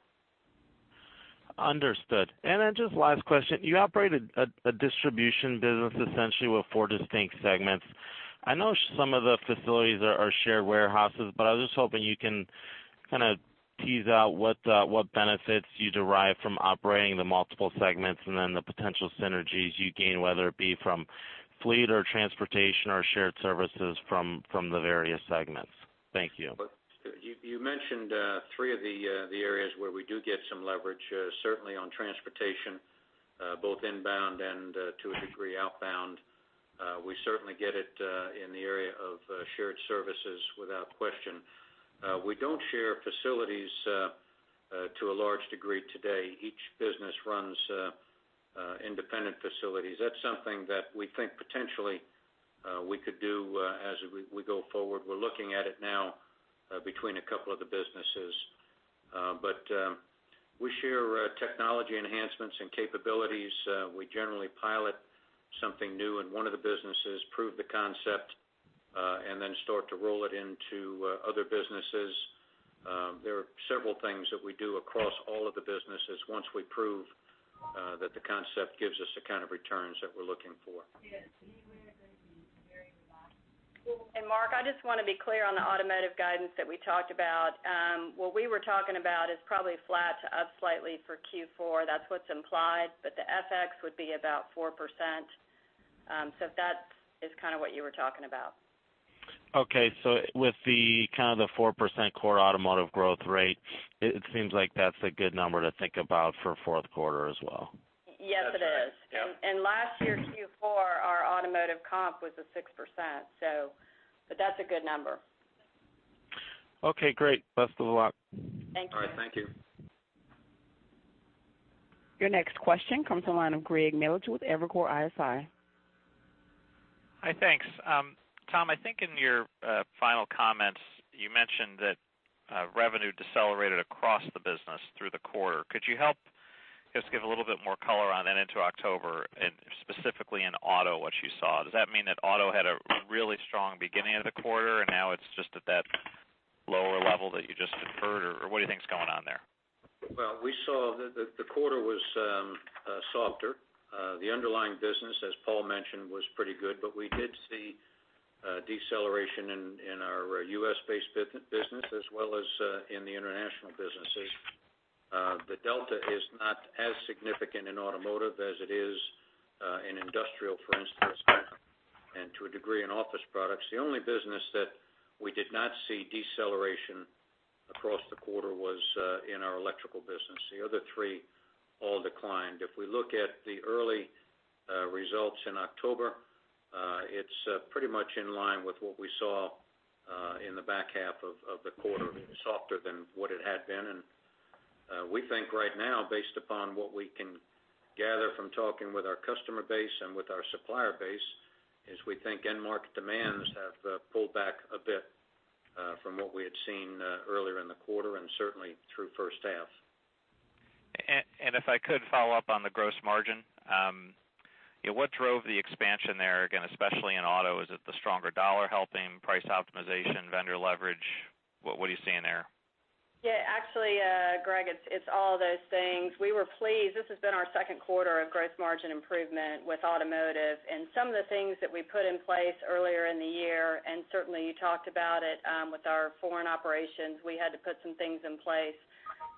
Understood. Just last question. You operate a distribution business essentially with four distinct segments. I know some of the facilities are shared warehouses, but I was just hoping you can kind of tease out what benefits you derive from operating the multiple segments and then the potential synergies you gain, whether it be from fleet or transportation or shared services from the various segments. Thank you. You mentioned three of the areas where we do get some leverage. Certainly on transportation, both inbound and to a degree outbound. We certainly get it in the area of shared services without question. We don't share facilities to a large degree today. Each business runs independent facilities. That's something that we think potentially we could do as we go forward. We're looking at it now between a couple of the businesses. We share technology enhancements and capabilities. We generally pilot something new in one of the businesses, prove the concept, and then start to roll it into other businesses. There are several things that we do across all of the businesses once we prove that the concept gives us the kind of returns that we're looking for. Mark, I just want to be clear on the automotive guidance that we talked about. What we were talking about is probably flat to up slightly for Q4. That's what's implied, but the FX would be about 4%. That is kind of what you were talking about. Okay. With the kind of 4% core automotive growth rate, it seems like that's a good number to think about for fourth quarter as well. Yes, it is. That's right. Yep. Last year's Q4, our automotive comp was a 6%. That's a good number. Okay, great. Best of luck. Thank you. All right, thank you. Your next question comes from the line of Greg Melich with Evercore ISI. Hi, thanks. Tom, I think in your final comments you mentioned that revenue decelerated across the business through the quarter. Could you help just give a little bit more color on into October and specifically in auto, what you saw? Does that mean that auto had a really strong beginning of the quarter and now it's just at that lower level that you just inferred, or what do you think is going on there? Well, we saw that the quarter was softer. The underlying business, as Paul mentioned, was pretty good, but we did see deceleration in our U.S.-based business as well as in the international business. The delta is not as significant in automotive as it is in industrial, for instance, and to a degree in office products. The only business that we did not see deceleration across the quarter was in our electrical business. The other three all declined. If we look at the early results in October, it's pretty much in line with what we saw in the back half of the quarter, softer than what it had been. We think right now, based upon what we can gather from talking with our customer base and with our supplier base, is we think end market demands have pulled back a bit from what we had seen earlier in the quarter and certainly through first half. If I could follow up on the gross margin. What drove the expansion there again, especially in auto? Is it the stronger dollar helping price optimization, vendor leverage? What are you seeing there? Actually, Greg, it's all those things. We were pleased. This has been our second quarter of gross margin improvement with automotive and some of the things that we put in place earlier in the year, and certainly you talked about it, with our foreign operations. We had to put some things in place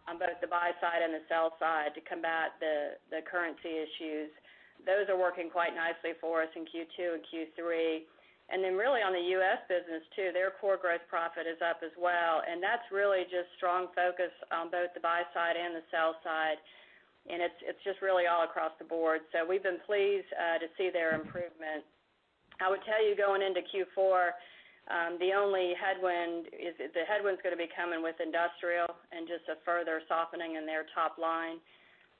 on both the buy side and the sell side to combat the currency issues. Those are working quite nicely for us in Q2 and Q3. Really on the U.S. business too, their core gross profit is up as well. That's really just strong focus on both the buy side and the sell side. It's just really all across the board. We've been pleased to see their improvement. I would tell you, going into Q4, the only headwind is the headwind's going to be coming with industrial and just a further softening in their top line.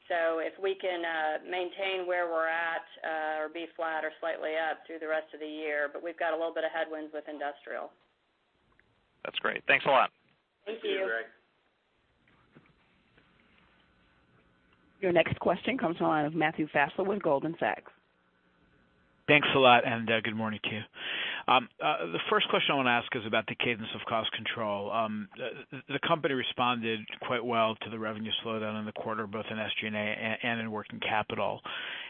If we can maintain where we're at or be flat or slightly up through the rest of the year, we've got a little bit of headwinds with industrial. That's great. Thanks a lot. Thank you. Thank you, Greg. Your next question comes on the line of Matthew Fassler with Goldman Sachs. Thanks a lot, good morning to you. The first question I want to ask is about the cadence of cost control. The company responded quite well to the revenue slowdown in the quarter, both in SG&A and in working capital.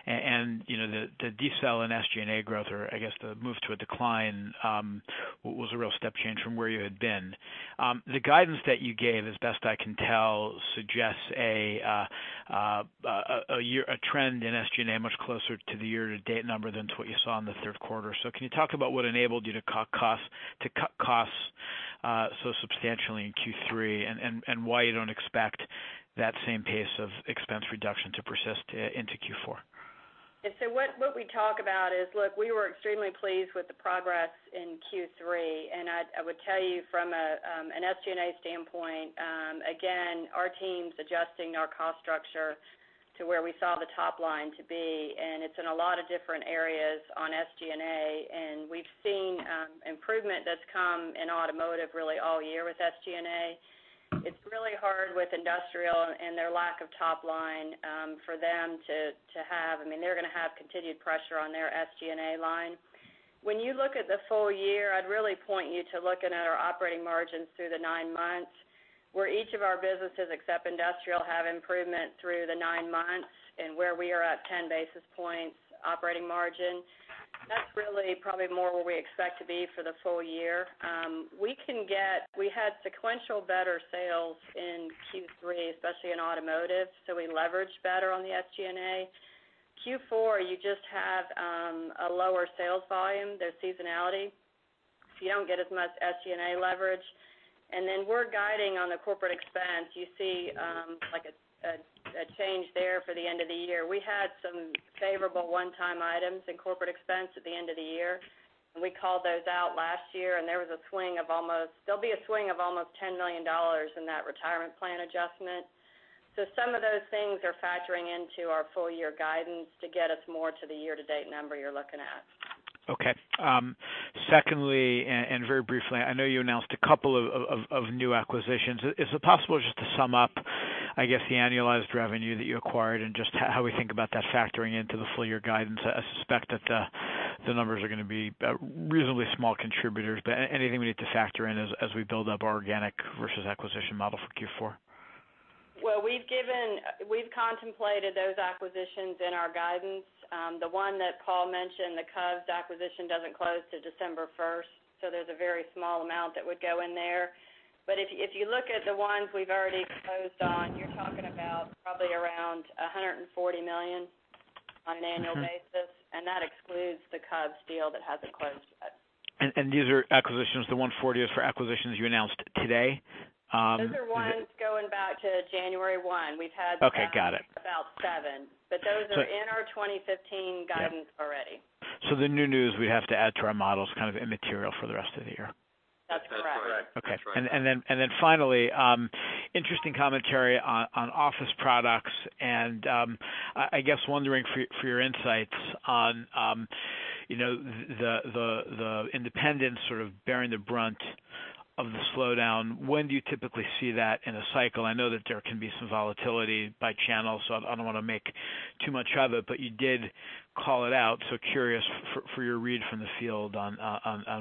The decel in SG&A growth, or I guess the move to a decline, was a real step change from where you had been. The guidance that you gave, as best I can tell, suggests a trend in SG&A much closer to the year-to-date number than to what you saw in the third quarter. Can you talk about what enabled you to cut costs so substantially in Q3, and why you don't expect that same pace of expense reduction to persist into Q4? Yeah. What we talk about is, look, we were extremely pleased with the progress in Q3, and I would tell you from an SG&A standpoint, again, our team's adjusting our cost structure to where we saw the top line to be, and it's in a lot of different areas on SG&A. We've seen improvement that's come in automotive really all year with SG&A. It's really hard with industrial and their lack of top line. They're going to have continued pressure on their SG&A line. When you look at the full year, I'd really point you to looking at our operating margins through the nine months, where each of our businesses, except industrial, have improvement through the nine months and where we are up 10 basis points operating margin. That's really probably more where we expect to be for the full year. We had sequential better sales in Q3, especially in automotive, we leveraged better on the SG&A. Q4, you just have a lower sales volume. There's seasonality, you don't get as much SG&A leverage. We're guiding on the corporate expense. You see a change there for the end of the year. We had some favorable one-time items in corporate expense at the end of the year, we called those out last year, there'll be a swing of almost $10 million in that retirement plan adjustment. Some of those things are factoring into our full-year guidance to get us more to the year-to-date number you're looking at. Okay. Secondly, very briefly, I know you announced a couple of new acquisitions. Is it possible just to sum up, I guess, the annualized revenue that you acquired and just how we think about that factoring into the full year guidance? I suspect that the numbers are going to be reasonably small contributors, anything we need to factor in as we build up our organic versus acquisition model for Q4? Well, we've contemplated those acquisitions in our guidance. The one that Paul mentioned, the Covs acquisition doesn't close till December 1st, so there's a very small amount that would go in there. But if you look at the ones we've already closed on, you're talking about probably around $140 million on an annual basis, and that excludes the Covs deal that hasn't closed yet. These are acquisitions, the $140 is for acquisitions you announced today? Those are ones going back to January 1. Okay, got it. about seven. Those are in our 2015 guidance already. The new news we have to add to our model is kind of immaterial for the rest of the year. That's correct. That's correct. Okay. Finally, interesting commentary on office products and I guess wondering for your insights on the independents sort of bearing the brunt of the slowdown. When do you typically see that in a cycle? I know that there can be some volatility by channel, so I don't want to make too much of it, but you did call it out, so curious for your read from the field on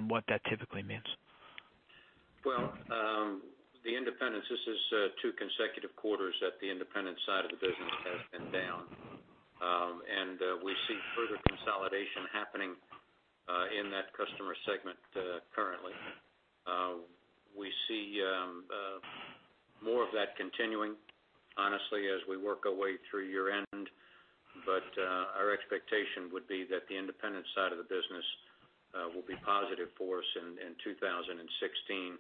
what that typically means. Well, the independents, this is two consecutive quarters that the independent side of the business consolidation happening in that customer segment currently. We see more of that continuing, honestly, as we work our way through year-end. Our expectation would be that the independent side of the business will be positive for us in 2016.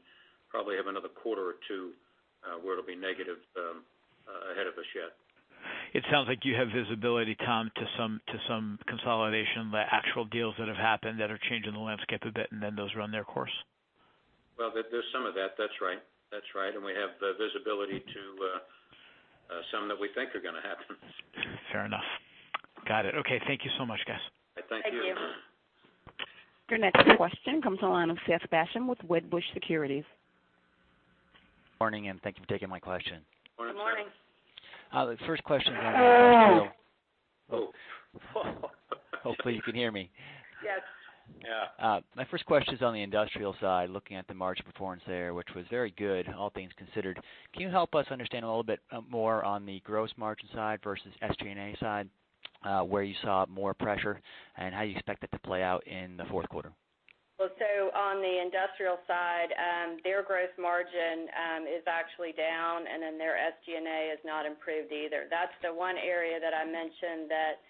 Probably have another quarter or two where it'll be negative ahead of us yet. It sounds like you have visibility, Tom, to some consolidation, the actual deals that have happened that are changing the landscape a bit, those run their course. Well, there's some of that. That's right. We have the visibility to some that we think are going to happen. Fair enough. Got it. Okay, thank you so much, guys. Thank you. Thank you. Your next question comes to the line of Seth Basham with Wedbush Securities. Morning, thank you for taking my question. Morning, Seth. Good morning. The first question is on. Oh. Hopefully you can hear me. Yes. Yeah. My first question is on the industrial side, looking at the March performance there, which was very good, all things considered. Can you help us understand a little bit more on the gross margin side versus SG&A side, where you saw more pressure, and how you expect it to play out in the fourth quarter? Well, on the industrial side, their gross margin is actually down, and then their SG&A has not improved either. That's the one area that I mentioned that,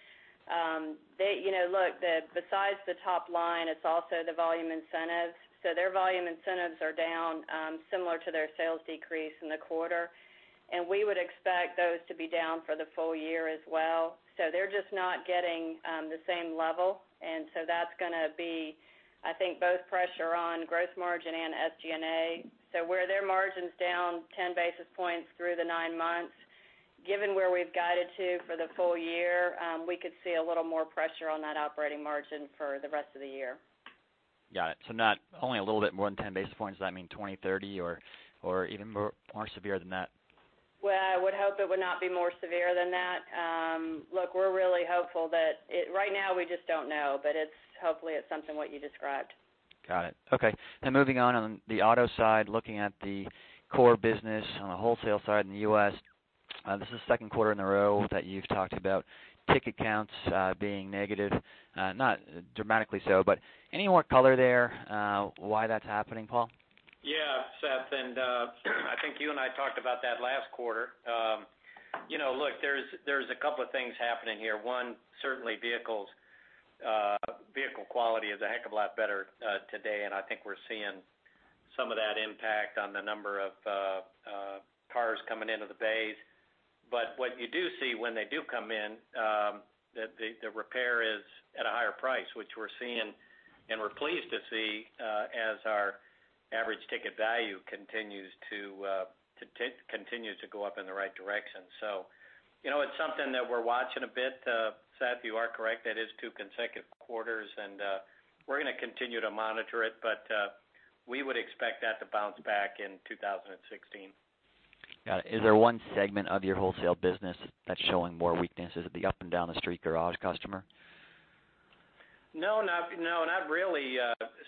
look, besides the top line, it's also the volume incentives. Their volume incentives are down similar to their sales decrease in the quarter, and we would expect those to be down for the full year as well. They're just not getting the same level, that's going to be, I think, both pressure on gross margin and SG&A. Where their margin's down 10 basis points through the nine months, given where we've guided to for the full year, we could see a little more pressure on that operating margin for the rest of the year. Only a little bit more than 10 basis points. Does that mean 20, 30, or even more severe than that? I would hope it would not be more severe than that. We're really hopeful that Right now, we just don't know, hopefully it's something what you described. Got it. Okay. Moving on the auto side, looking at the core business on the wholesale side in the U.S., this is the second quarter in a row that you've talked about ticket counts being negative. Not dramatically so, any more color there why that's happening, Paul? Seth, I think you and I talked about that last quarter. There's a couple of things happening here. One, certainly vehicle quality is a heck of a lot better today, and I think we're seeing some of that impact on the number of cars coming into the bays. What you do see when they do come in, the repair is at a higher price, which we're seeing, and we're pleased to see, as our average ticket value continues to go up in the right direction. It's something that we're watching a bit. Seth, you are correct, that is two consecutive quarters, we're going to continue to monitor it. We would expect that to bounce back in 2016. Got it. Is there one segment of your wholesale business that's showing more weakness? Is it the up and down the street garage customer? No, not really,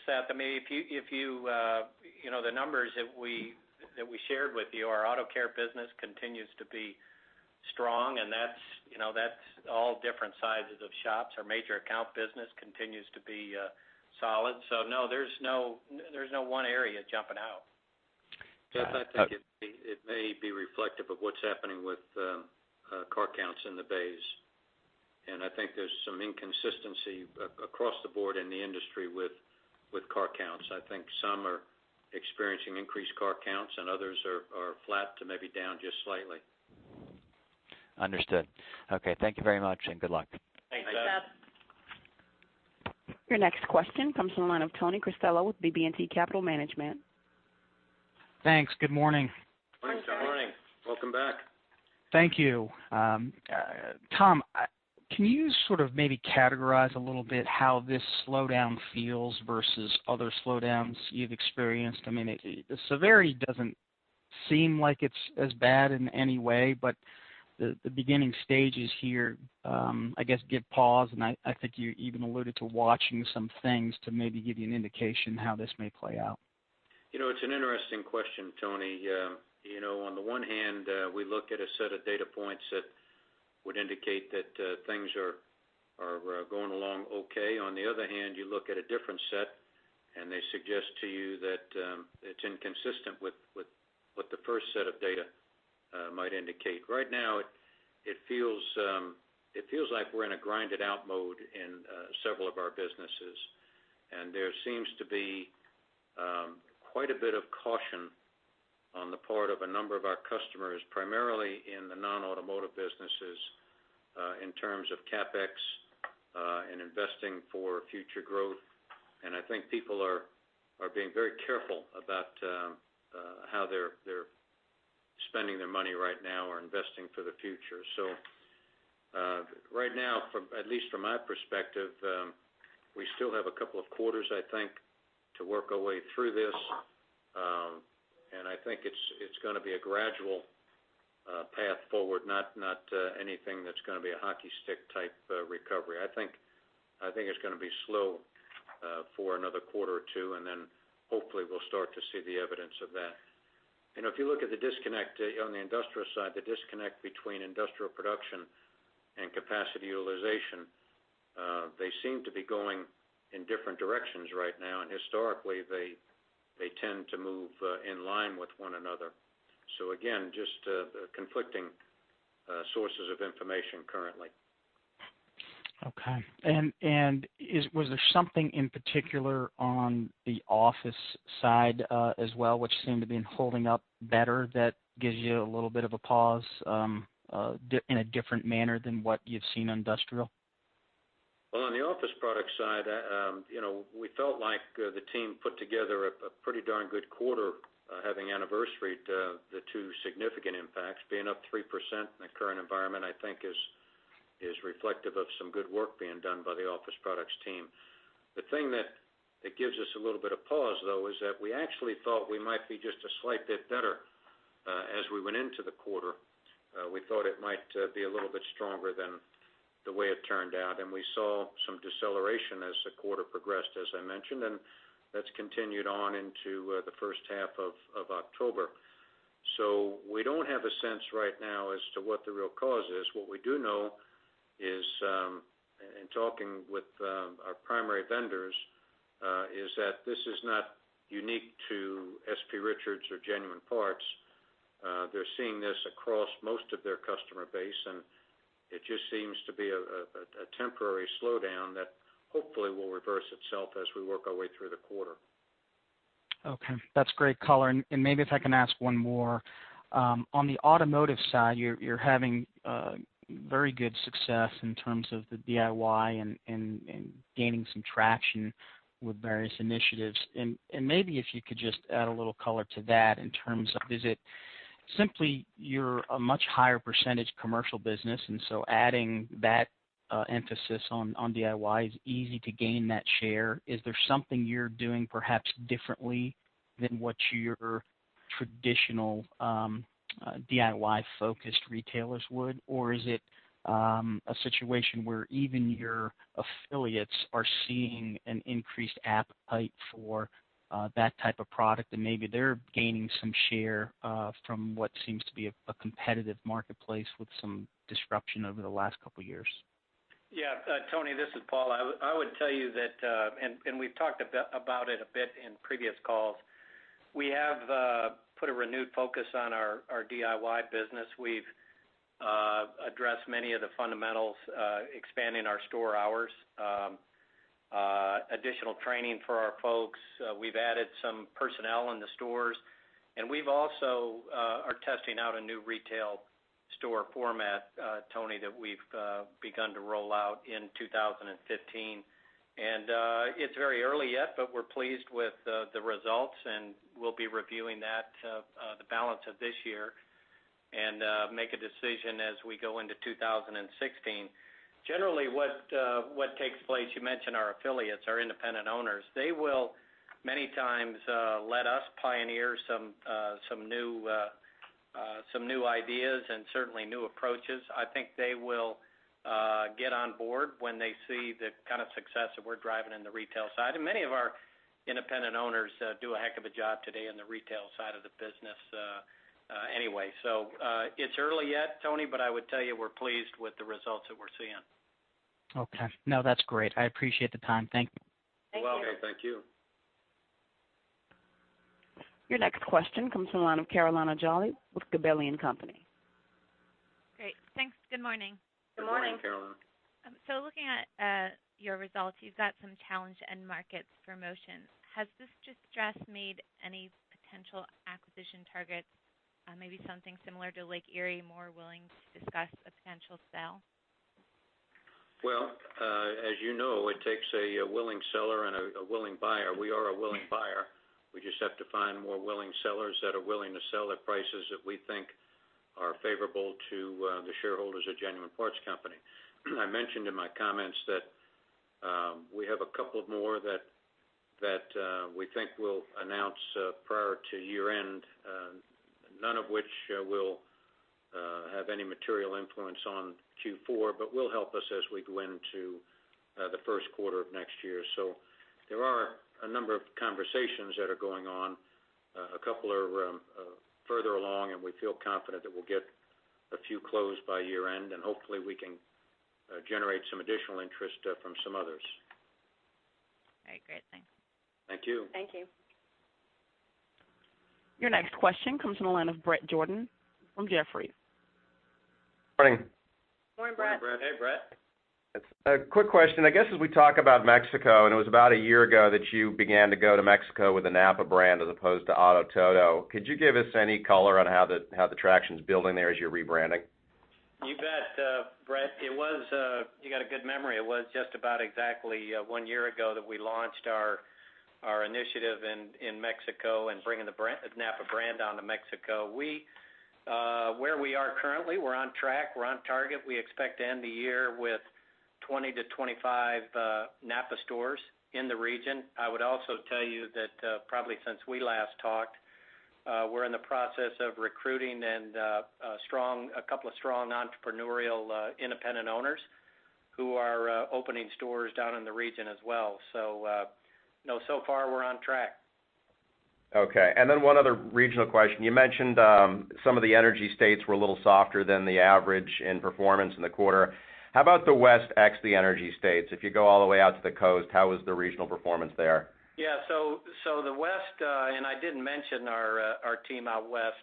Seth. I mean, the numbers that we shared with you, our auto care business continues to be strong, and that's all different sizes of shops. Our major account business continues to be solid. No. There's no one area jumping out. Got it. Okay. Seth, I think it may be reflective of what's happening with car counts in the bays. I think there's some inconsistency across the board in the industry with car counts. I think some are experiencing increased car counts. Others are flat to maybe down just slightly. Understood. Okay, thank you very much, good luck. Thanks, Seth. Thanks, Seth. Your next question comes from the line of Anthony Cristello with BB&T Capital Markets. Thanks. Good morning. Morning, Tony. Hi. Welcome back. Thank you. Tom, can you sort of maybe categorize a little bit how this slowdown feels versus other slowdowns you've experienced? I mean, the severity doesn't seem like it's as bad in any way, but the beginning stages here, I guess, give pause, and I think you even alluded to watching some things to maybe give you an indication how this may play out. It's an interesting question, Tony. On the one hand, we look at a set of data points that would indicate that things are going along okay. On the other hand, you look at a different set, and they suggest to you that it's inconsistent with what the first set of data might indicate. Right now, it feels like we're in a grind-it-out mode in several of our businesses, and there seems to be quite a bit of caution on the part of a number of our customers, primarily in the non-automotive businesses, in terms of CapEx and investing for future growth. I think people are being very careful about how they're spending their money right now or investing for the future. Right now, at least from my perspective, we still have a couple of quarters, I think, to work our way through this. I think it's going to be a gradual path forward, not anything that's going to be a hockey stick type recovery. I think it's going to be slow for another quarter or two, and then hopefully we'll start to see the evidence of that. If you look at the disconnect on the industrial side, the disconnect between industrial production and capacity utilization, they seem to be going in different directions right now, and historically, they tend to move in line with one another. Again, just conflicting sources of information currently. Okay. Was there something in particular on the office side as well, which seemed to have been holding up better that gives you a little bit of a pause in a different manner than what you've seen industrial? Well, on the office product side, we felt like the team put together a pretty darn good quarter, having anniversaried the two significant impacts. Being up 3% in the current environment, I think is reflective of some good work being done by the office products team. The thing that gives us a little bit of pause, though, is that we actually thought we might be just a slight bit better as we went into the quarter. We thought it might be a little bit stronger than the way it turned out. We saw some deceleration as the quarter progressed, as I mentioned, and that's continued on into the first half of October. We don't have a sense right now as to what the real cause is. What we do know is, in talking with our primary vendors, is that this is not unique to S.P. Richards or Genuine Parts. They're seeing this across most of their customer base, and it just seems to be a temporary slowdown that hopefully will reverse itself as we work our way through the quarter. Okay. That's great color. Maybe if I can ask one more. On the automotive side, you're having very good success in terms of the DIY and gaining some traction with various initiatives. Maybe if you could just add a little color to that in terms of, is it simply you're a much higher percentage commercial business, so adding that emphasis on DIY is easy to gain that share? Is there something you're doing perhaps differently than what your traditional DIY-focused retailers would? Is it a situation where even your affiliates are seeing an increased appetite for that type of product, and maybe they're gaining some share from what seems to be a competitive marketplace with some disruption over the last couple of years? Yeah. Tony, this is Paul. I would tell you that, we've talked about it a bit in previous calls, we have put a renewed focus on our DIY business. We've addressed many of the fundamentals, expanding our store hours, additional training for our folks. We've added some personnel in the stores, we also are testing out a new retail store format, Tony, that we've begun to roll out in 2015. It's very early yet, but we're pleased with the results, and we'll be reviewing that the balance of this year and make a decision as we go into 2016. Generally, what takes place, you mentioned our affiliates, our independent owners, they will many times let us pioneer some new ideas and certainly new approaches. I think they will get on board when they see the kind of success that we're driving in the retail side, and many of our independent owners do a heck of a job today in the retail side of the business anyway. It's early yet, Tony, but I would tell you we're pleased with the results that we're seeing. Okay. No, that's great. I appreciate the time. Thank you. Thank you. You're welcome. Thank you. Your next question comes from the line of Carolina Jolly with Gabelli & Company. Great. Thanks. Good morning. Good morning. Good morning, Carolina. Looking at your results, you've got some challenge to end markets promotions. Has this distress made any potential acquisition targets, maybe something similar to Lake Erie, more willing to discuss a potential sale? Well, as you know, it takes a willing seller and a willing buyer. We are a willing buyer. We just have to find more willing sellers that are willing to sell at prices that we think are favorable to the shareholders of Genuine Parts Company. I mentioned in my comments that we have a couple of more that we think we'll announce prior to year-end, none of which will have any material influence on Q4 but will help us as we go into the first quarter of next year. There are a number of conversations that are going on. A couple are further along, and we feel confident that we'll get a few closed by year-end, and hopefully we can generate some additional interest from some others. All right, great. Thanks. Thank you. Thank you. Your next question comes from the line of Bret Jordan from Jefferies. Morning. Morning, Bret. Morning, Bret. A quick question. I guess as we talk about Mexico, it was about a year ago that you began to go to Mexico with the NAPA brand as opposed to Auto Todo. Could you give us any color on how the traction is building there as you're rebranding? You bet, Bret. You got a good memory. It was just about exactly one year ago that we launched our initiative in Mexico and bringing the NAPA brand down to Mexico. Where we are currently, we're on track, we're on target. We expect to end the year with 20-25 NAPA stores in the region. I would also tell you that probably since we last talked, we're in the process of recruiting a couple of strong entrepreneurial independent owners who are opening stores down in the region as well. Far we're on track. Okay. Then one other regional question. You mentioned some of the energy states were a little softer than the average in performance in the quarter. How about the West, ex the energy states? If you go all the way out to the coast, how was the regional performance there? Yeah, the West, and I didn't mention our team out West,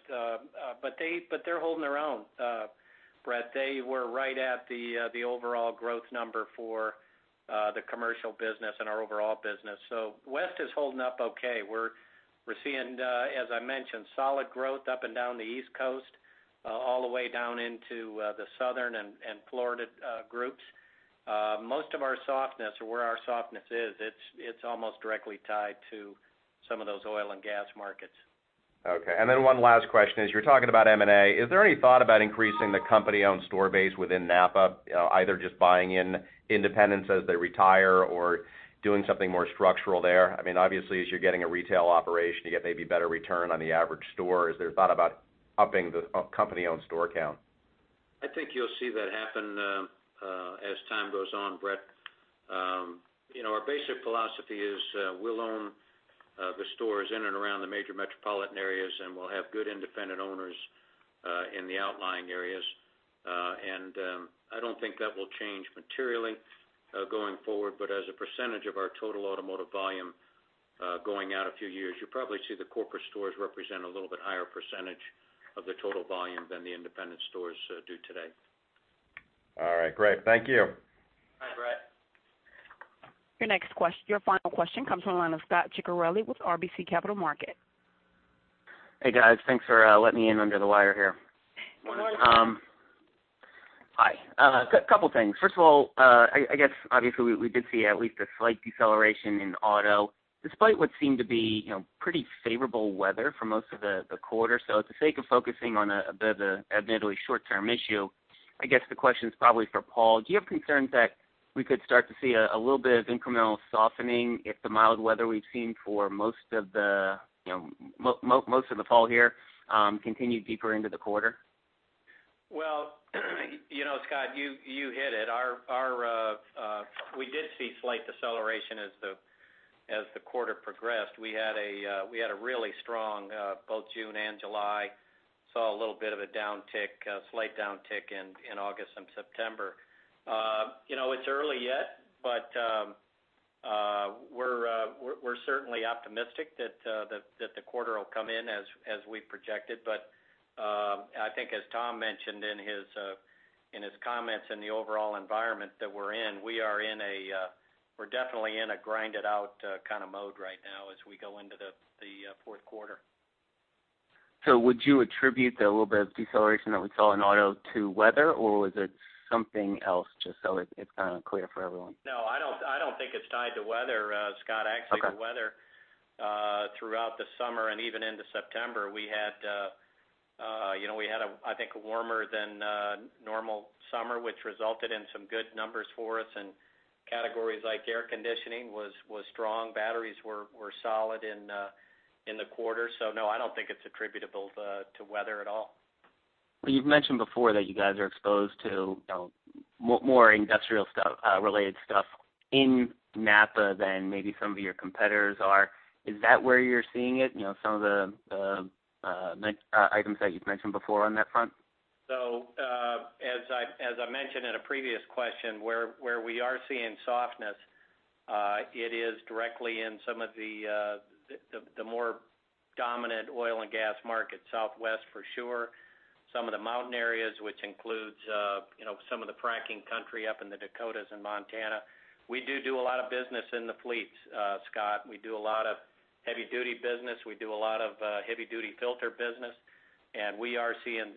but they're holding their own, Bret. They were right at the overall growth number for the commercial business and our overall business. West is holding up okay. We're seeing, as I mentioned, solid growth up and down the East Coast all the way down into the Southern and Florida groups. Most of our softness, or where our softness is, it's almost directly tied to some of those oil and gas markets. Okay, one last question is, you're talking about M&A. Is there any thought about increasing the company-owned store base within NAPA, either just buying in independents as they retire or doing something more structural there? Obviously, as you're getting a retail operation, you get maybe better return on the average store. Is there thought about upping the company-owned store count? I think you'll see that happen as time goes on, Bret. Our basic philosophy is we'll own the stores in and around the major metropolitan areas, we'll have good independent owners in the outlying areas. I don't think that will change materially, going forward. As a percentage of our total automotive volume, going out a few years, you'll probably see the corporate stores represent a little bit higher percentage of the total volume than the independent stores do today. All right, great. Thank you. Bye, Bret. Your final question comes from the line of Scot Ciccarelli with RBC Capital Markets. Hey, guys. Thanks for letting me in under the wire here. No worries. Hi. Couple things. First of all, I guess obviously we did see at least a slight deceleration in auto, despite what seemed to be pretty favorable weather for most of the quarter. At the sake of focusing on a bit of a admittedly short-term issue, I guess the question's probably for Paul. Do you have concerns that we could start to see a little bit of incremental softening if the mild weather we've seen for most of the fall here continued deeper into the quarter? Well, Scott, you hit it. We did see slight deceleration as the quarter progressed. We had a really strong both June and July. Saw a little bit of a downtick, a slight downtick in August and September. It's early yet, we're certainly optimistic that the quarter will come in as we projected. I think as Tom mentioned in his comments in the overall environment that we're in, we're definitely in a grind-it-out kind of mode right now as we go into the fourth quarter. Would you attribute the little bit of deceleration that we saw in auto to weather, or was it something else, just so it's kind of clear for everyone? No, I don't think it's tied to weather, Scott. Okay. Actually, the weather, throughout the summer and even into September, we had, I think, a warmer than normal summer, which resulted in some good numbers for us in categories like air conditioning was strong. Batteries were solid in the quarter. No, I don't think it's attributable to weather at all. Well, you've mentioned before that you guys are exposed to more industrial stuff, related stuff in NAPA than maybe some of your competitors are. Is that where you're seeing it, some of the items that you've mentioned before on that front? As I mentioned in a previous question, where we are seeing softness, it is directly in some of the more dominant oil and gas markets, Southwest for sure. Some of the mountain areas, which includes some of the fracking country up in the Dakotas and Montana. We do a lot of business in the fleets, Scot. We do a lot of heavy-duty business. We do a lot of heavy-duty filter business, and we are seeing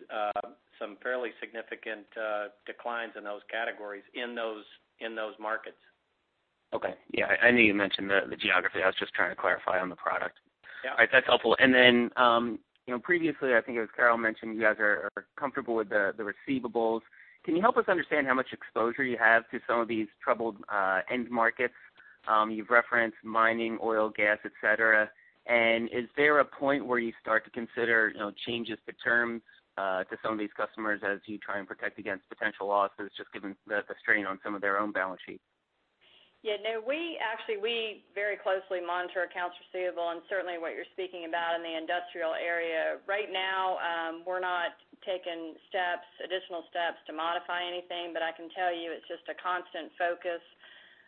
some fairly significant declines in those categories in those markets. Okay. Yeah, I know you mentioned the geography. I was just trying to clarify on the product. Yeah. All right, that's helpful. Then, previously, I think it was Carol mentioned you guys are comfortable with the receivables. Can you help us understand how much exposure you have to some of these troubled end markets? You've referenced mining, oil, gas, et cetera. Is there a point where you start to consider changes to terms, to some of these customers as you try and protect against potential losses, just given the strain on some of their own balance sheets? Yeah, no, we actually very closely monitor accounts receivable and certainly what you're speaking about in the industrial area. Right now, we're not taking additional steps to modify anything, but I can tell you it's just a constant focus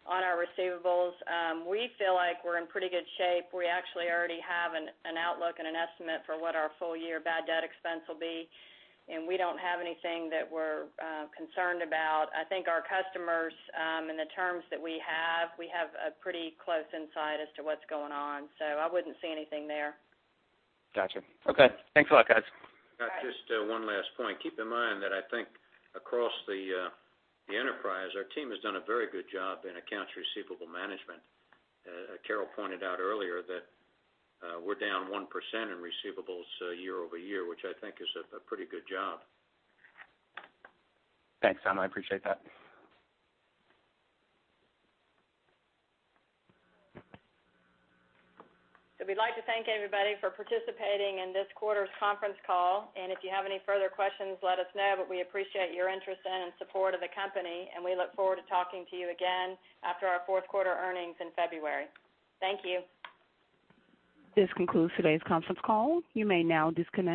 on our receivables. We feel like we're in pretty good shape. We actually already have an outlook and an estimate for what our full-year bad debt expense will be, and we don't have anything that we're concerned about. I think our customers, and the terms that we have, we have a pretty close insight as to what's going on, so I wouldn't see anything there. Got you. Okay. Thanks a lot, guys. Bye. Just one last point. Keep in mind that I think across the enterprise, our team has done a very good job in accounts receivable management. Carol pointed out earlier that we're down 1% in receivables year-over-year, which I think is a pretty good job. Thanks, Tom. I appreciate that. We'd like to thank everybody for participating in this quarter's conference call. If you have any further questions, let us know. We appreciate your interest in and support of the company, and we look forward to talking to you again after our fourth quarter earnings in February. Thank you. This concludes today's conference call. You may now disconnect.